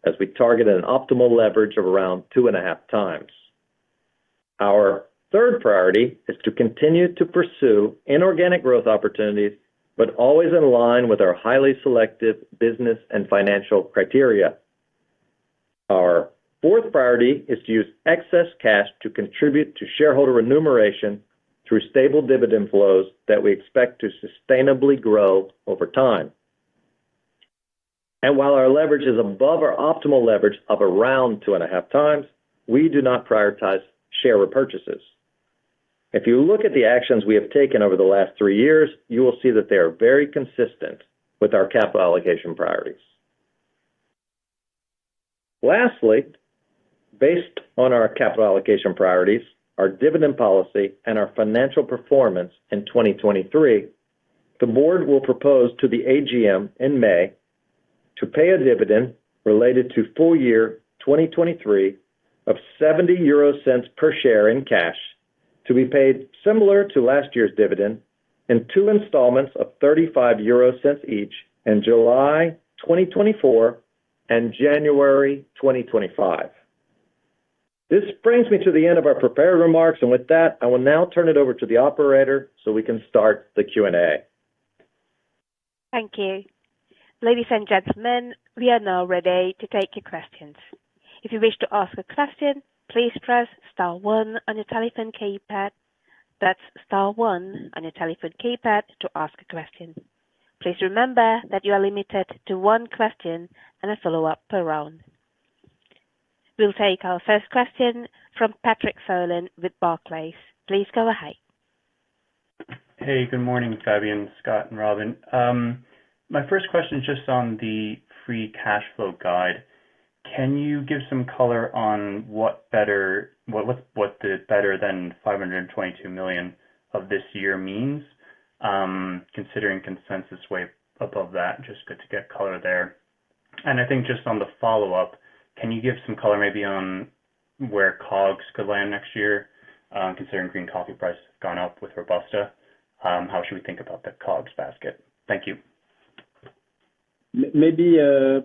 as we target an optimal leverage of around 2.5 times. Our third priority is to continue to pursue inorganic growth opportunities, but always in line with our highly selective business and financial criteria. Our fourth priority is to use excess cash to contribute to shareholder remuneration through stable dividend flows that we expect to sustainably grow over time... And while our leverage is above our optimal leverage of around 2.5 times, we do not prioritize share repurchases. If you look at the actions we have taken over the last 3 years, you will see that they are very consistent with our capital allocation priorities. Lastly, based on our capital allocation priorities, our dividend policy, and our financial performance in 2023, the board will propose to the AGM in May to pay a dividend related to full year 2023 of 0.70 per share in cash, to be paid similar to last year's dividend, in two installments of 0.35 each in July 2024 and January 2025. This brings me to the end of our prepared remarks, and with that, I will now turn it over to the operator so we can start the Q&A. Thank you. Ladies and gentlemen, we are now ready to take your questions. If you wish to ask a question, please press star one on your telephone keypad. That's star one on your telephone keypad to ask a question. Please remember that you are limited to one question and a follow-up per round. We'll take our first question from Patrick Folan with Barclays. Please go ahead. Hey, good morning, Fabien, Scott, and Robin. My first question is just on the free cash flow guide. Can you give some color on what the better than 522 million of this year means, considering consensus way above that? Just good to get color there. And I think just on the follow-up, can you give some color maybe on where COGS could land next year, considering green coffee prices have gone up with Robusta? How should we think about that COGS basket? Thank you. Maybe,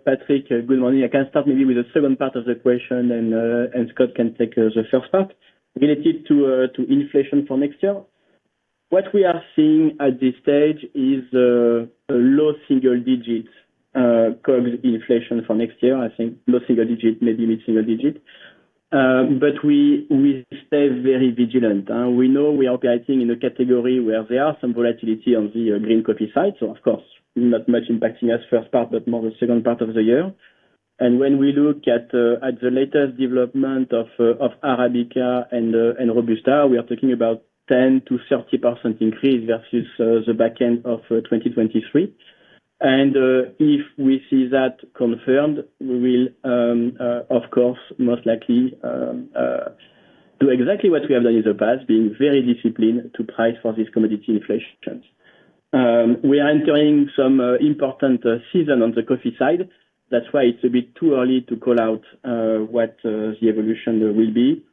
Patrick, good morning. I can start maybe with the second part of the question, and Scott can take the first part. Related to inflation for next year, what we are seeing at this stage is a low single-digits COGS inflation for next year. I think low single-digit, maybe mid-single-digit. But we stay very vigilant. We know we are pricing in a category where there are some volatility on the green coffee side, so of course, not much impacting us first part, but more the second part of the year. And when we look at the latest development of Arabica and Robusta, we are talking about 10%-30% increase versus the back end of 2023. If we see that confirmed, we will, of course, most likely, do exactly what we have done in the past, being very disciplined to price for this commodity inflations. We are entering some important season on the coffee side. That's why it's a bit too early to call out what the evolution will be.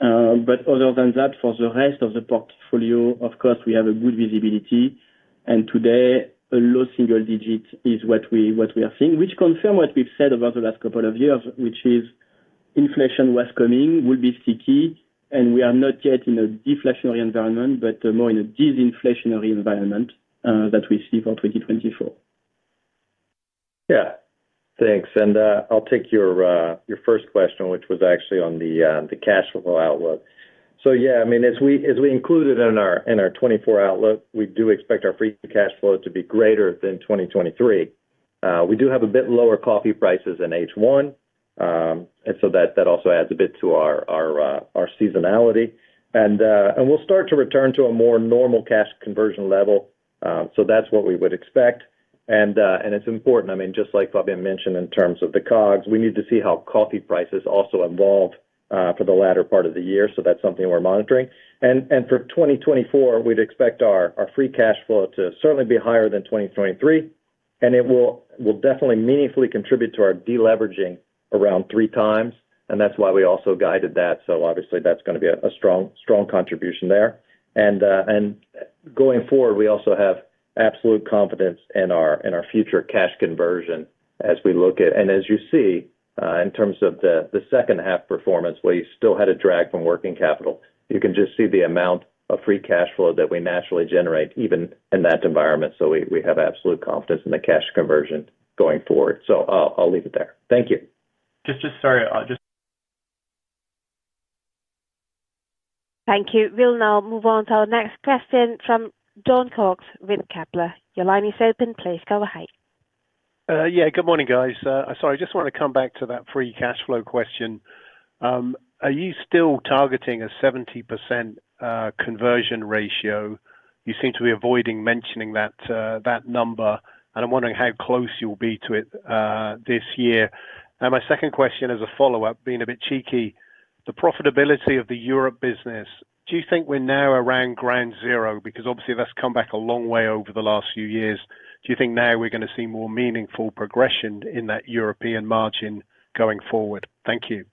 But other than that, for the rest of the portfolio, of course, we have a good visibility, and today, a low single digit is what we are seeing, which confirm what we've said over the last couple of years, which is inflation was coming, will be sticky, and we are not yet in a deflationary environment, but more in a disinflationary environment that we see for 2024. Yeah. Thanks, and I'll take your first question, which was actually on the cash flow outlook. So yeah, I mean, as we included in our 2024 outlook, we do expect our free cash flow to be greater than 2023. We do have a bit lower coffee prices in H1, and so that also adds a bit to our seasonality. And we'll start to return to a more normal cash conversion level, so that's what we would expect. And it's important, I mean, just like Fabien mentioned, in terms of the COGS, we need to see how coffee prices also evolve for the latter part of the year, so that's something we're monitoring. For 2024, we'd expect our free cash flow to certainly be higher than 2023, and it will definitely meaningfully contribute to our deleveraging around 3x, and that's why we also guided that. So obviously, that's gonna be a strong contribution there. And going forward, we also have absolute confidence in our future cash conversion as we look at... And as you see, in terms of the second half performance, where you still had a drag from working capital, you can just see the amount of free cash flow that we naturally generate even in that environment. So we have absolute confidence in the cash conversion going forward. So I'll leave it there. Thank you. Just, sorry, just— Thank you. We'll now move on to our next question from Jon Cox with Kepler. Your line is open. Please go ahead. Yeah, good morning, guys. Sorry, I just want to come back to that free cash flow question. Are you still targeting a 70% conversion ratio? You seem to be avoiding mentioning that number, and I'm wondering how close you'll be to it this year. And my second question, as a follow-up, being a bit cheeky, the profitability of the Europe business, do you think we're now around ground zero? Because obviously, that's come back a long way over the last few years. Do you think now we're gonna see more meaningful progression in that European margin going forward? Thank you.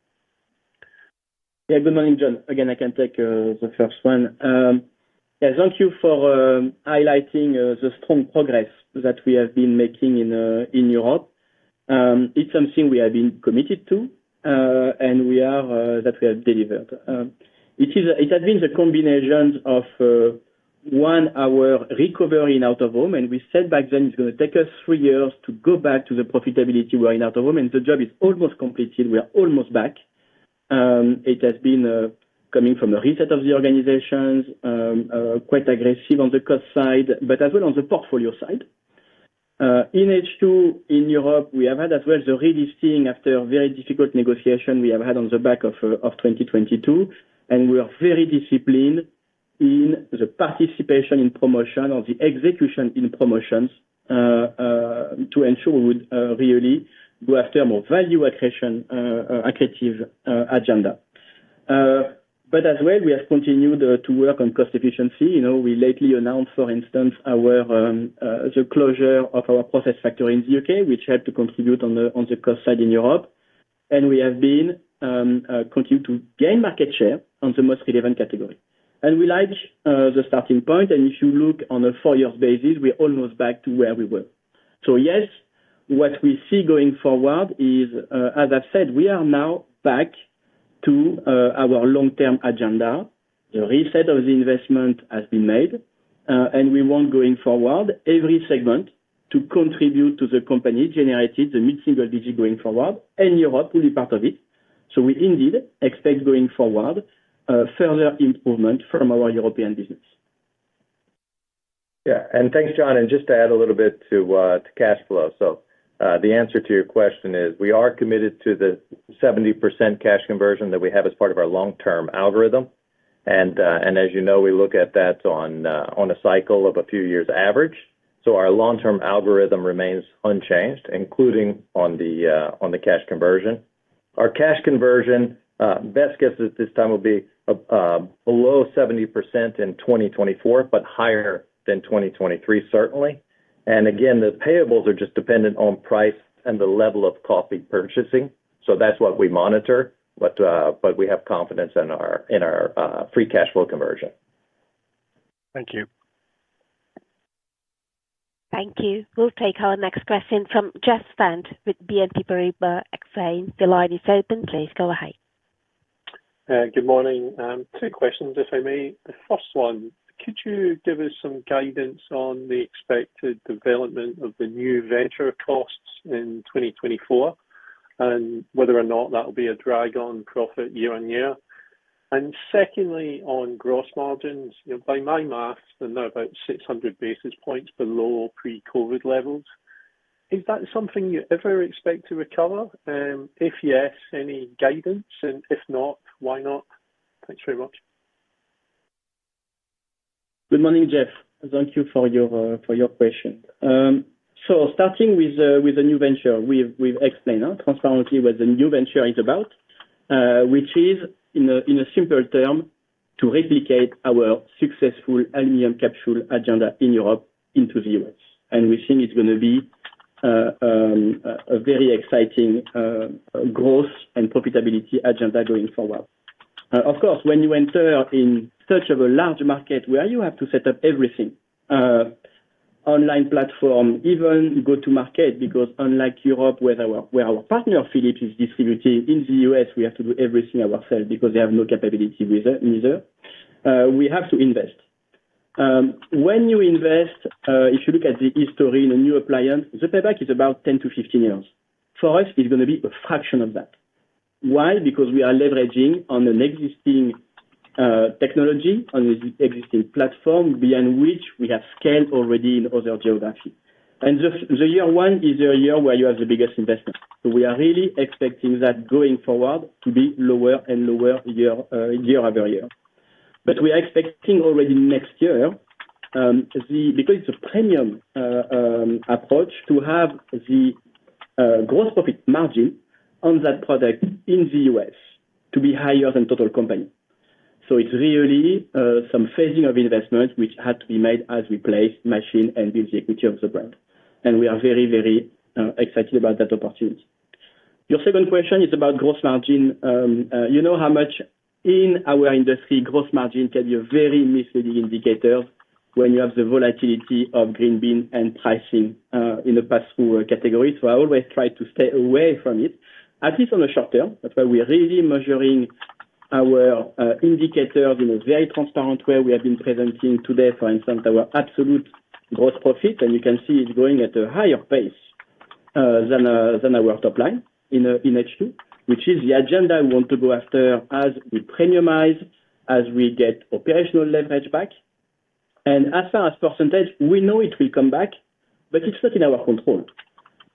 Yeah, good morning, Jon. Again, I can take the first one. Yes, thank you for highlighting the strong progress that we have been making in Europe. It's something we have been committed to, and we are that we have delivered. It has been the combinations of one, our recovery in out-of-home, and we said back then, it's gonna take us three years to go back to the profitability we are in out-of-home, and the job is almost completed. We are almost back. It has been coming from the reset of the organizations quite aggressive on the cost side, but as well on the portfolio side. In H2, in Europe, we have had as well, really seeing after a very difficult negotiation we have had on the back of 2022, and we are very disciplined in the participation in promotion or the execution in promotions to ensure we would really go after more value accretion, accretive agenda. But as well, we have continued to work on cost efficiency. You know, we lately announced, for instance, the closure of our process factory in the U.K., which helped to contribute on the cost side in Europe. And we have been continue to gain market share on the most relevant category. And we like the starting point, and if you look on a four-year basis, we're almost back to where we were. So yes, what we see going forward is, as I said, we are now back to our long-term agenda. The reset of the investment has been made, and we want, going forward, every segment to contribute to the company, generating the mid-single digit going forward, and Europe will be part of it. So we indeed expect, going forward, further improvement from our European business. Yeah, and thanks, Jon. And just to add a little bit to cash flow. So, the answer to your question is, we are committed to the 70% cash conversion that we have as part of our long-term algorithm. And, and as you know, we look at that on a cycle of a few years average. So our long-term algorithm remains unchanged, including on the cash conversion. Our cash conversion, best guess at this time will be below 70% in 2024, but higher than 2023, certainly. And again, the payables are just dependent on price and the level of coffee purchasing, so that's what we monitor. But, but we have confidence in our, in our, free cash flow conversion. Thank you. Thank you. We'll take our next question from Jeff Stent with BNP Paribas Exane. The line is open, please go ahead. Good morning. Two questions, if I may. The first one, could you give us some guidance on the expected development of the new venture costs in 2024, and whether or not that will be a drag on profit year-on-year? And secondly, on gross margins, you know, by my math, they're now about 600 basis points below pre-COVID levels. Is that something you ever expect to recover? If yes, any guidance, and if not, why not? Thanks very much. Good morning, Jeff. Thank you for your, for your question. So starting with the, with the new venture, we've, we've explained transparently what the new venture is about, which is, in a, in a simpler term, to replicate our successful aluminum capsule agenda in Europe into the U.S. And we think it's gonna be, a very exciting, growth and profitability agenda going forward. Of course, when you enter in such a large market where you have to set up everything, online platform, even go to market, because unlike Europe, where our, where our partner, Philips, is distributing in the U.S., we have to do everything ourselves because they have no capability with it either, we have to invest. When you invest, if you look at the history in a new appliance, the payback is about 10-15 years. For us, it's gonna be a fraction of that. Why? Because we are leveraging on an existing technology, on an existing platform, behind which we have scaled already in other geography. And the year one is the year where you have the biggest investment, so we are really expecting that going forward to be lower and lower year-over-year. But we are expecting already next year, because it's a premium approach, to have the gross profit margin on that product in the U.S. to be higher than total company. So it's really some phasing of investment which had to be made as we place machine and build the equity of the brand. We are very, very excited about that opportunity. Your second question is about gross margin. You know how much, in our industry, gross margin can be a very misleading indicator when you have the volatility of green bean and pricing in the pass-through category. So I always try to stay away from it, at least on the short term. That's why we are really measuring our indicators in a very transparent way. We have been presenting today, for instance, our absolute gross profit, and you can see it's growing at a higher pace than our top line in H2, which is the agenda we want to go after as we premiumize, as we get operational leverage back. And as far as percentage, we know it will come back, but it's not in our control.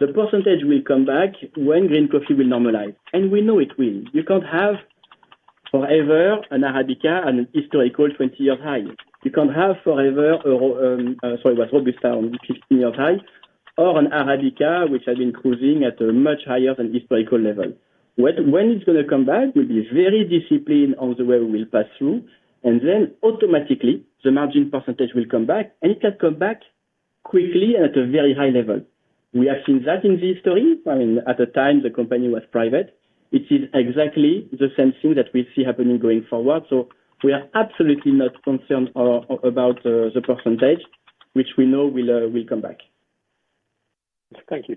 The percentage will come back when green coffee will normalize, and we know it will. You can't have forever an Arabica at an historical 20-year high. You can't have forever a Robusta on 15-year high, or an Arabica, which has been cruising at a much higher than historical level. When it's gonna come back, we'll be very disciplined on the way we will pass through, and then automatically, the margin percentage will come back, and it can come back quickly and at a very high level. We have seen that in the history, I mean, at the time the company was private. It is exactly the same thing that we see happening going forward, so we are absolutely not concerned about the percentage, which we know will, will come back. Thank you.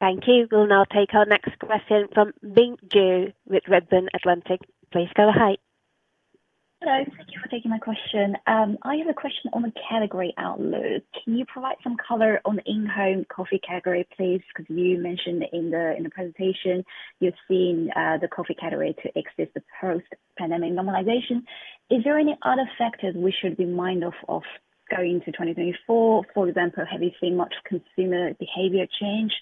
Thank you. We'll now take our next question from Bing Xu with Redburn Atlantic. Please go ahead. Hello. Thank you for taking my question. I have a question on the category outlook. Can you provide some color on the in-home coffee category, please? 'Cause you mentioned in the, in the presentation, you've seen the coffee category to exit the post-pandemic normalization. Is there any other factors we should be mind of, of going to 2024? For example, have you seen much consumer behavior change,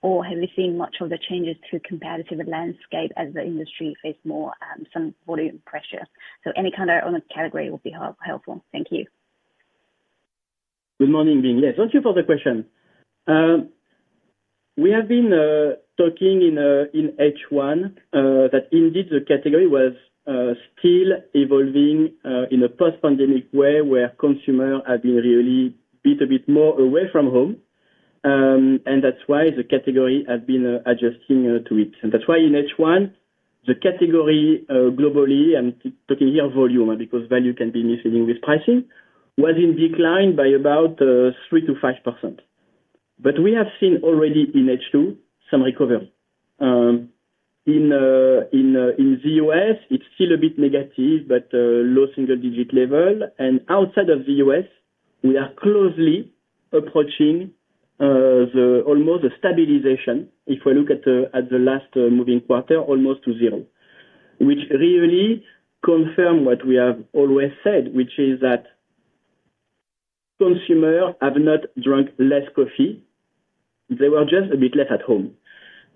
or have you seen much of the changes to competitive landscape as the industry face more, some volume pressure? So any color on the category will be helpful. Thank you. Good morning, Bing. Yes, thank you for the question. We have been talking in H1 that indeed the category was still evolving in a post-pandemic way, where consumer have been really a bit more away from home. And that's why the category has been adjusting to it. And that's why in H1, the category globally, and talking here volume, because value can be misleading with pricing, was in decline by about 3%-5%. But we have seen already in H2, some recovery. In the U.S., it's still a bit negative, but low single digit level, and outside of the U.S., we are closely approaching almost a stabilization, if we look at the last moving quarter, almost to zero. Which really confirm what we have always said, which is that consumer have not drunk less coffee, they were just a bit less at home.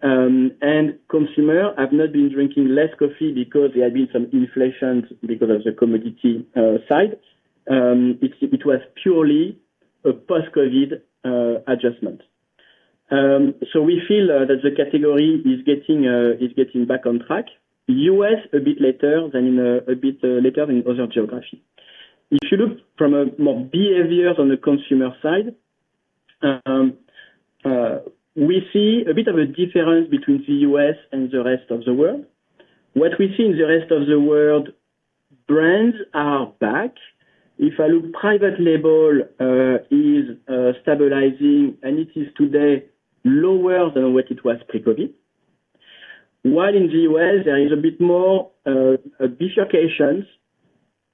And consumer have not been drinking less coffee because there have been some inflations because of the commodity side. It's, it was purely a post-COVID adjustment. So we feel that the category is getting back on track. U.S., a bit later than other geography. If you look from a more behaviors on the consumer side, we see a bit of a difference between the U.S. and the rest of the world. What we see in the rest of the world, brands are back. If I look private label is stabilizing, and it is today lower than what it was pre-COVID. While in the U.S., there is a bit more bifurcation,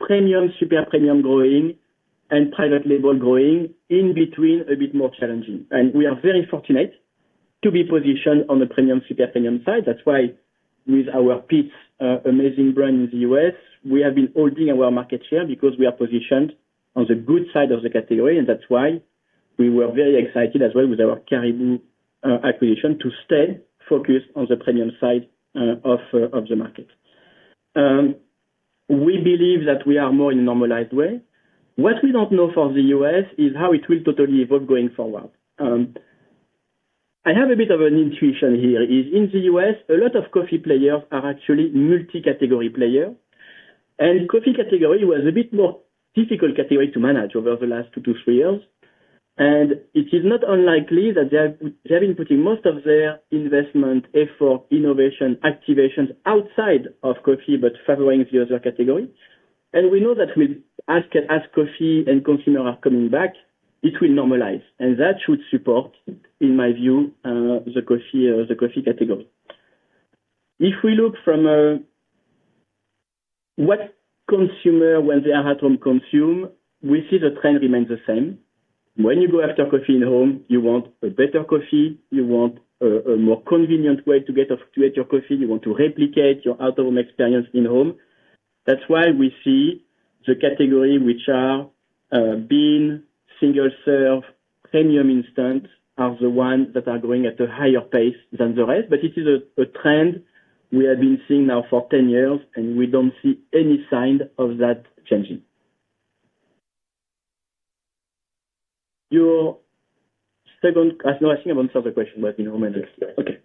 premium, super premium growing and private label growing. In between, a bit more challenging. We are very fortunate to be positioned on the premium, super premium side. That's why with our Peet's amazing brand in the U.S., we have been holding our market share because we are positioned on the good side of the category, and that's why we were very excited as well with our Caribou acquisition to stay focused on the premium side of the market. We believe that we are more in normalized way. What we don't know for the U.S. is how it will totally evolve going forward. I have a bit of an intuition here, is in the U.S., a lot of coffee players are actually multi-category player, and coffee category was a bit more difficult category to manage over the last 2-3 years. And it is not unlikely that they are, they have been putting most of their investment effort, innovation, activations outside of coffee, but favoring the other category. And we know that with, as coffee and consumer are coming back, it will normalize, and that should support, in my view, the coffee category. If we look from, what consumer, when they are at home, consume, we see the trend remains the same. When you go after coffee in home, you want a better coffee, you want a more convenient way to get of, to get your coffee, you want to replicate your out-of-home experience in home. That's why we see the category which are bean, single serve, premium instant, are the ones that are growing at a higher pace than the rest. But this is a trend we have been seeing now for 10 years, and we don't see any sign of that changing. Your second. No, I think I've answered the question, but you know, maybe- Yes. Okay.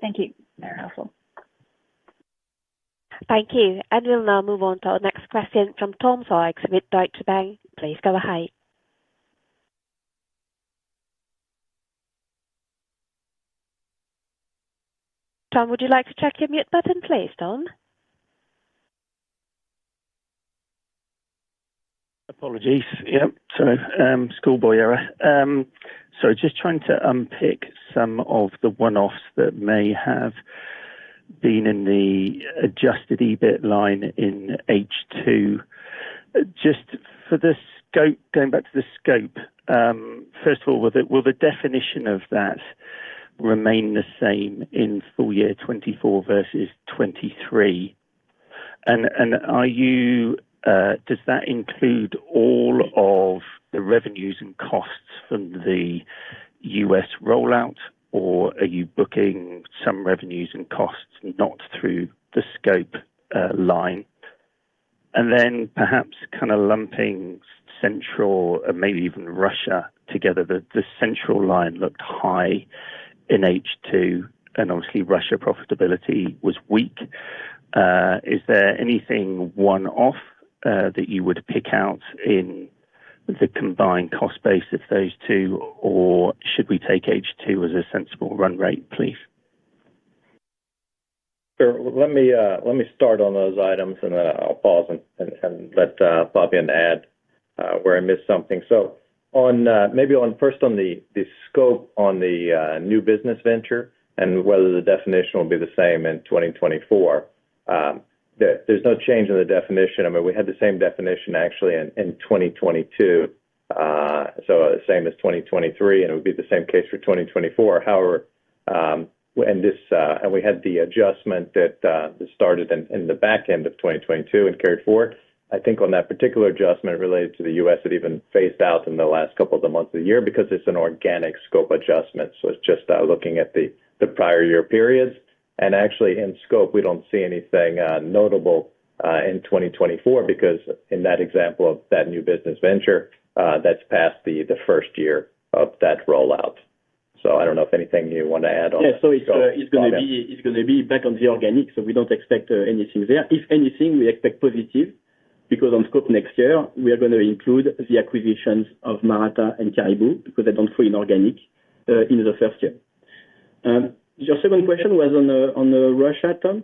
Thank you. You're welcome. Thank you, and we'll now move on to our next question from Tom Sykes with Deutsche Bank. Please go ahead. Tom, would you like to check your mute button, please, Tom? Apologies. Yep, sorry, schoolboy error. So just trying to unpick some of the one-offs that may have been in the adjusted EBIT line in H2. Just for the scope, going back to the scope, first of all, will the definition of that remain the same in full year 2024 versus 2023? And are you, does that include all of the revenues and costs from the U.S. rollout, or are you booking some revenues and costs not through the scope line? And then perhaps kind of lumping Central, and maybe even Russia together, the Central line looked high in H2, and obviously Russia profitability was weak. Is there anything one-off that you would pick out in the combined cost base of those two, or should we take H2 as a sensible run rate, please? Sure. Let me start on those items, and then I'll pause and let Fabien add where I missed something. So on, maybe first on the scope on the new business venture and whether the definition will be the same in 2024. There's no change in the definition. I mean, we had the same definition actually in 2022, so the same as 2023, and it would be the same case for 2024. However, and we had the adjustment that started in the back end of 2022 and carried forward. I think on that particular adjustment related to the U.S., it even phased out in the last couple of months of the year because it's an organic scope adjustment, so it's just, looking at the, the prior year periods. Actually, in scope, we don't see anything, notable, in 2024 because in that example of that new business venture, that's past the, the first year of that rollout. So I don't know if anything you want to add on? Yeah. So it's gonna be back on the organic, so we don't expect anything there. If anything, we expect positive, because on scope next year, we are gonna include the acquisitions of Maratá and Caribou, because they don't fall in organic in the first year. Your second question was on Russia, Tom.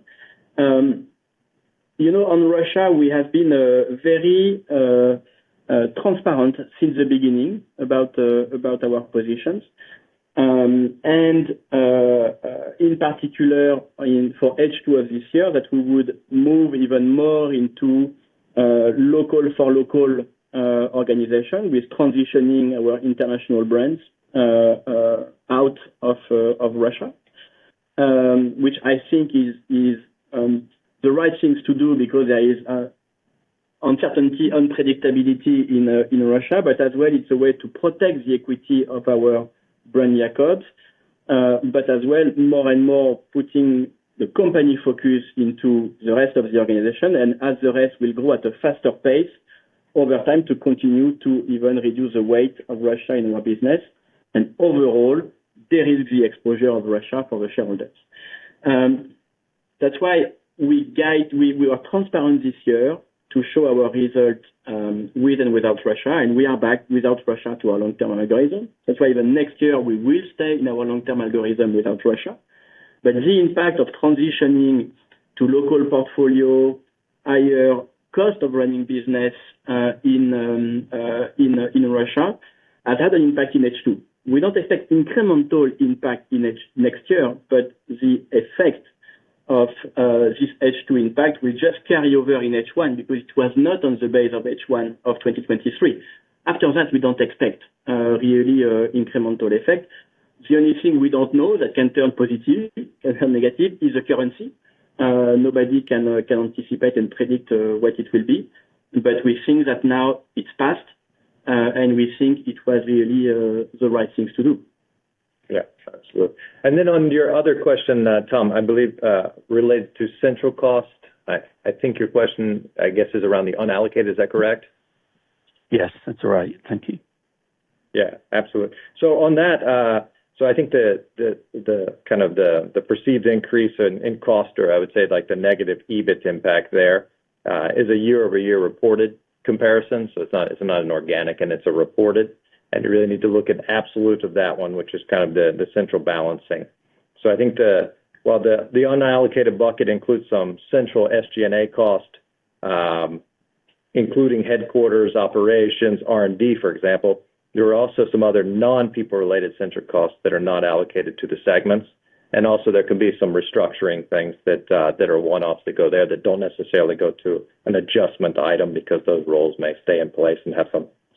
You know, on Russia, we have been very transparent since the beginning about our positions. And in particular, for H2 of this year, that we would move even more into local-for-local organization, with transitioning our international brands out of Russia. which I think is the right things to do because there is a uncertainty, unpredictability in Russia, but as well, it's a way to protect the equity of our brand Jacobs. But as well, more and more putting the company focus into the rest of the organization, and as the rest will grow at a faster pace over time to continue to even reduce the weight of Russia in our business. And overall, there is the exposure of Russia for the shareholders. That's why we guide. We are transparent this year to show our results with and without Russia, and we are back without Russia to our long-term algorithm. That's why even next year we will stay in our long-term algorithm without Russia. But the impact of transitioning to local portfolio, higher cost of running business, in, in Russia, has had an impact in H2. We don't expect incremental impact in H1 next year, but the effect of this H2 impact will just carry over in H1, because it was not on the base of H1 of 2023. After that, we don't expect really incremental effect. The only thing we don't know that can turn positive, can turn negative, is the currency. Nobody can anticipate and predict what it will be, but we think that now it's passed, and we think it was really the right things to do. Yeah, absolutely. And then on your other question, Tom, I believe, related to central cost, I think your question, I guess, is around the unallocated, is that correct? Yes, that's right. Thank you. Yeah, absolutely. So on that, so I think the kind of perceived increase in cost, or I would say like the negative EBIT impact there, is a year-over-year reported comparison, so it's not an organic, and it's a reported. And you really need to look at absolutes of that one, which is kind of the central balancing. So I think... Well, the unallocated bucket includes some central SG&A cost, including headquarters, operations, R&D, for example. There are also some other non-people related central costs that are not allocated to the segments. And also, there can be some restructuring things that are one-offs that go there, that don't necessarily go to an adjustment item because those roles may stay in place and have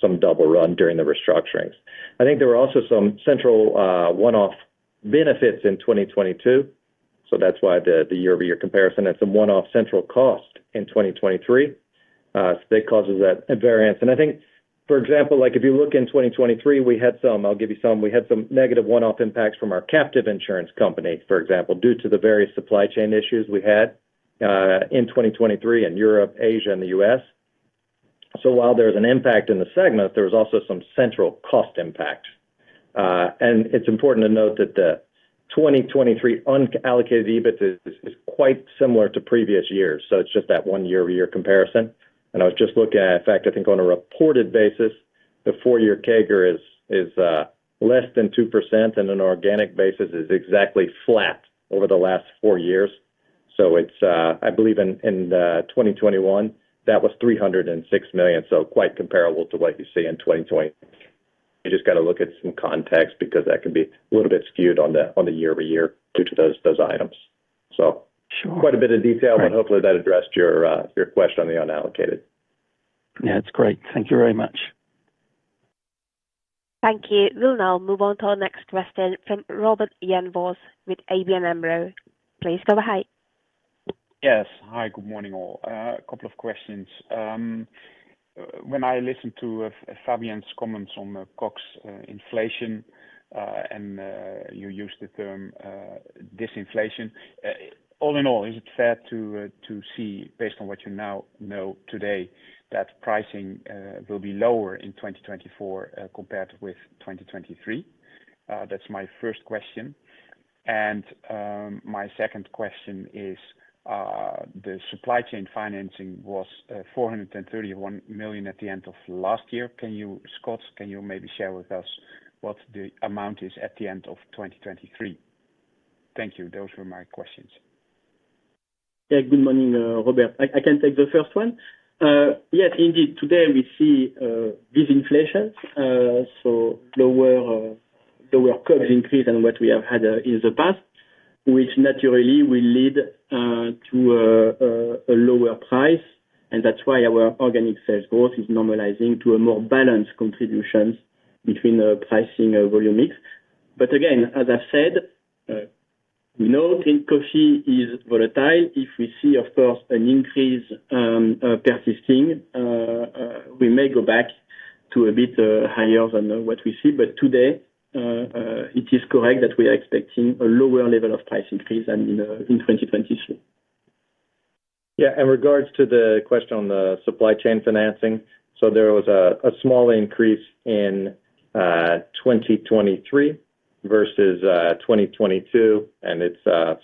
some double run during the restructurings. I think there are also some central, one-off benefits in 2022, so that's why the, the year-over-year comparison has some one-off central cost in 2023. So that causes that variance. And I think, for example, like if you look in 2023, we had some. I'll give you some, we had some negative one-off impacts from our captive insurance company, for example, due to the various supply chain issues we had, in 2023 in Europe, Asia, and the U.S. So while there is an impact in the segment, there was also some central cost impact. And it's important to note that the 2023 unallocated EBIT is, is quite similar to previous years, so it's just that one year-over-year comparison. I was just looking at, in fact, I think on a reported basis, the four-year CAGR is less than 2%, and an organic basis is exactly flat over the last four years. So it's, I believe in 2021, that was 306 million, so quite comparable to what you see in 2020. You just got to look at some context because that can be a little bit skewed on the year-over-year due to those items. So- Sure. Quite a bit of detail- Right. But hopefully that addressed your question on the unallocated. Yeah, it's great. Thank you very much. Thank you. We'll now move on to our next question from Robert Jan Vos with ABN AMRO. Please go ahead. Yes. Hi, good morning, all. A couple of questions. When I listened to Fabien's comments on COGS inflation and you used the term disinflation. All in all, is it fair to see, based on what you now know today, that pricing will be lower in 2024 compared with 2023? That's my first question. My second question is, the supply chain financing was 431 million at the end of last year. Can you, Scott, maybe share with us what the amount is at the end of 2023? Thank you. Those were my questions. Yeah, good morning, Robert. I, I can take the first one. Yes, indeed, today we see disinflation, so lower, lower price increase than what we have had in the past, which naturally will lead to a lower price, and that's why our organic sales growth is normalizing to a more balanced contributions between pricing and volume mix. But again, as I've said, we know green coffee is volatile. If we see, of course, an increase persisting, we may go back to a bit higher than what we see. But today, it is correct that we are expecting a lower level of price increase than in 2023. Yeah, in regards to the question on the supply chain financing, so there was a small increase in 2023 versus 2022, and it's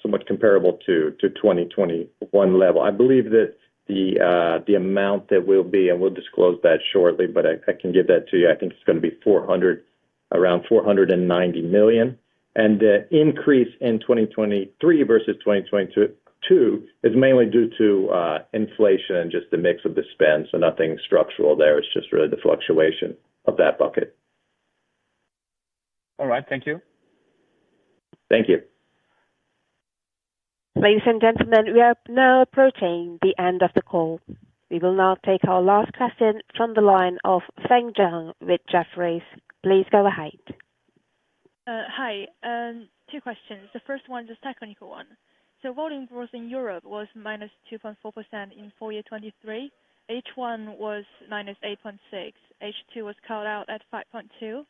somewhat comparable to 2021 level. I believe that the amount that will be, and we'll disclose that shortly, but I can give that to you. I think it's gonna be 400, around 490 million. And the increase in 2023 versus 2022 is mainly due to inflation and just the mix of the spend, so nothing structural there. It's just really the fluctuation of that bucket. All right. Thank you. Thank you. Ladies and gentlemen, we are now approaching the end of the call. We will now take our last question from the line of Feng Zhang with Jefferies. Please go ahead. Hi. Two questions. The first one is a technical one. So volume growth in Europe was -2.4% in full year 2023. H1 was -8.6%, H2 was called out at 5.2%,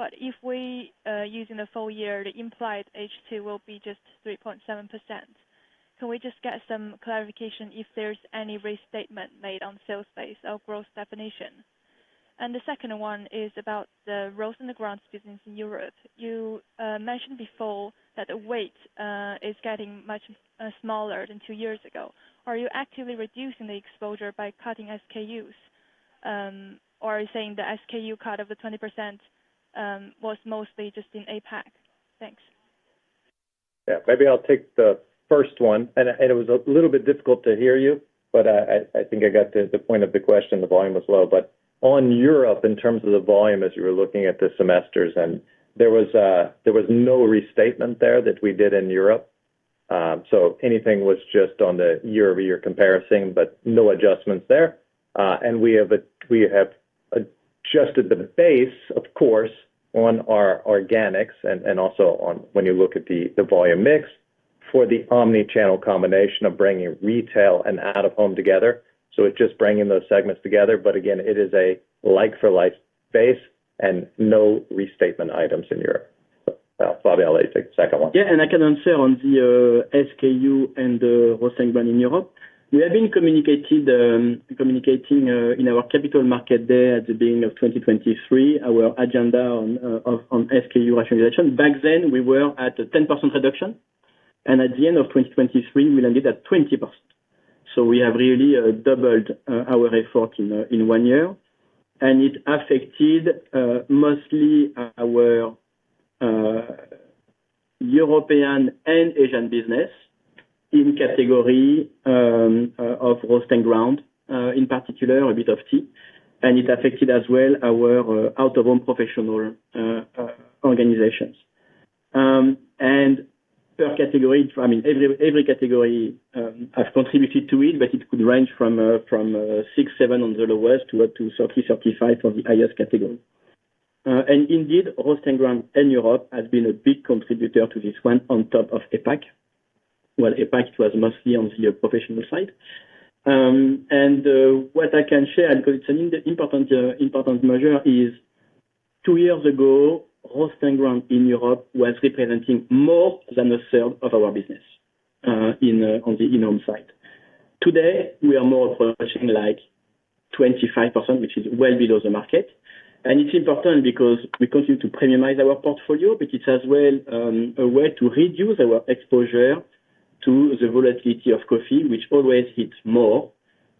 but if we using the full year, the implied H2 will be just 3.7%. Can we just get some clarification if there's any restatement made on sales base or growth definition? And the second one is about the growth in the grounds business in Europe. You mentioned before that the weight is getting much smaller than two years ago. Are you actively reducing the exposure by cutting SKUs? Or are you saying the SKU cut of the 20% was mostly just in APAC? Thanks. Yeah. Maybe I'll take the first one, and it was a little bit difficult to hear you, but I think I got the point of the question, the volume was low. But on Europe, in terms of the volume, as you were looking at the semesters, and there was no restatement there that we did in Europe. So anything was just on the year-over-year comparison, but no adjustments there. And we have adjusted the base, of course, on our organics and also on when you look at the volume mix for the omnichannel combination of bringing retail and out-of-home together, so it's just bringing those segments together. But again, it is a like for like base and no restatement items in Europe. Fabien, I'll let you take the second one. Yeah, and I can answer on the SKU and roasting brand in Europe. We have been communicating in our Capital Markets Day at the beginning of 2023, our agenda on on SKU rationalization. Back then, we were at a 10% reduction, and at the end of 2023, we landed at 20%. So we have really doubled our effort in in one year, and it affected mostly our European and Asian business in category of roast and ground, in particular, a bit of tea, and it affected as well our out-of-home professional organizations. Per category, I mean, every, every category has contributed to it, but it could range from 6-7 on the lowest to 30-35 for the highest category. Indeed, roast and ground in Europe has been a big contributor to this one on top of APAC, while APAC was mostly on the professional side. What I can share, because it's an important, important measure, is two years ago, roast and ground in Europe was representing more than a third of our business, in on the in-home side. Today, we are more approaching like 25%, which is well below the market, and it's important because we continue to premiumize our portfolio, but it's as well a way to reduce our exposure to the volatility of coffee, which always hits more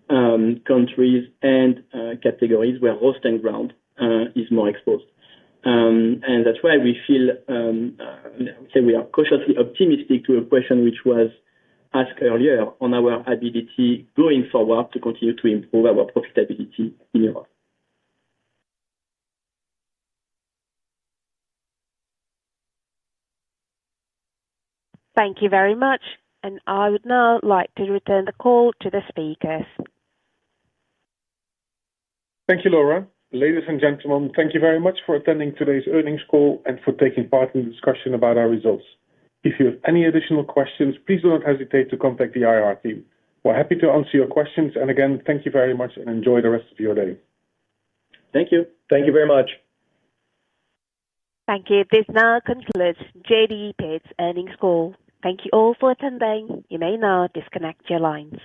countries and categories where roast and ground is more exposed. And that's why we feel we are cautiously optimistic to a question which was asked earlier on our ability going forward to continue to improve our profitability in Europe. Thank you very much, and I would now like to return the call to the speakers. Thank you, Laura. Ladies and gentlemen, thank you very much for attending today's earnings call and for taking part in the discussion about our results. If you have any additional questions, please do not hesitate to contact the IR team. We're happy to answer your questions, and again, thank you very much and enjoy the rest of your day. Thank you. Thank you very much. Thank you. This now concludes JDE Peet's earnings call. Thank you all for attending. You may now disconnect your lines.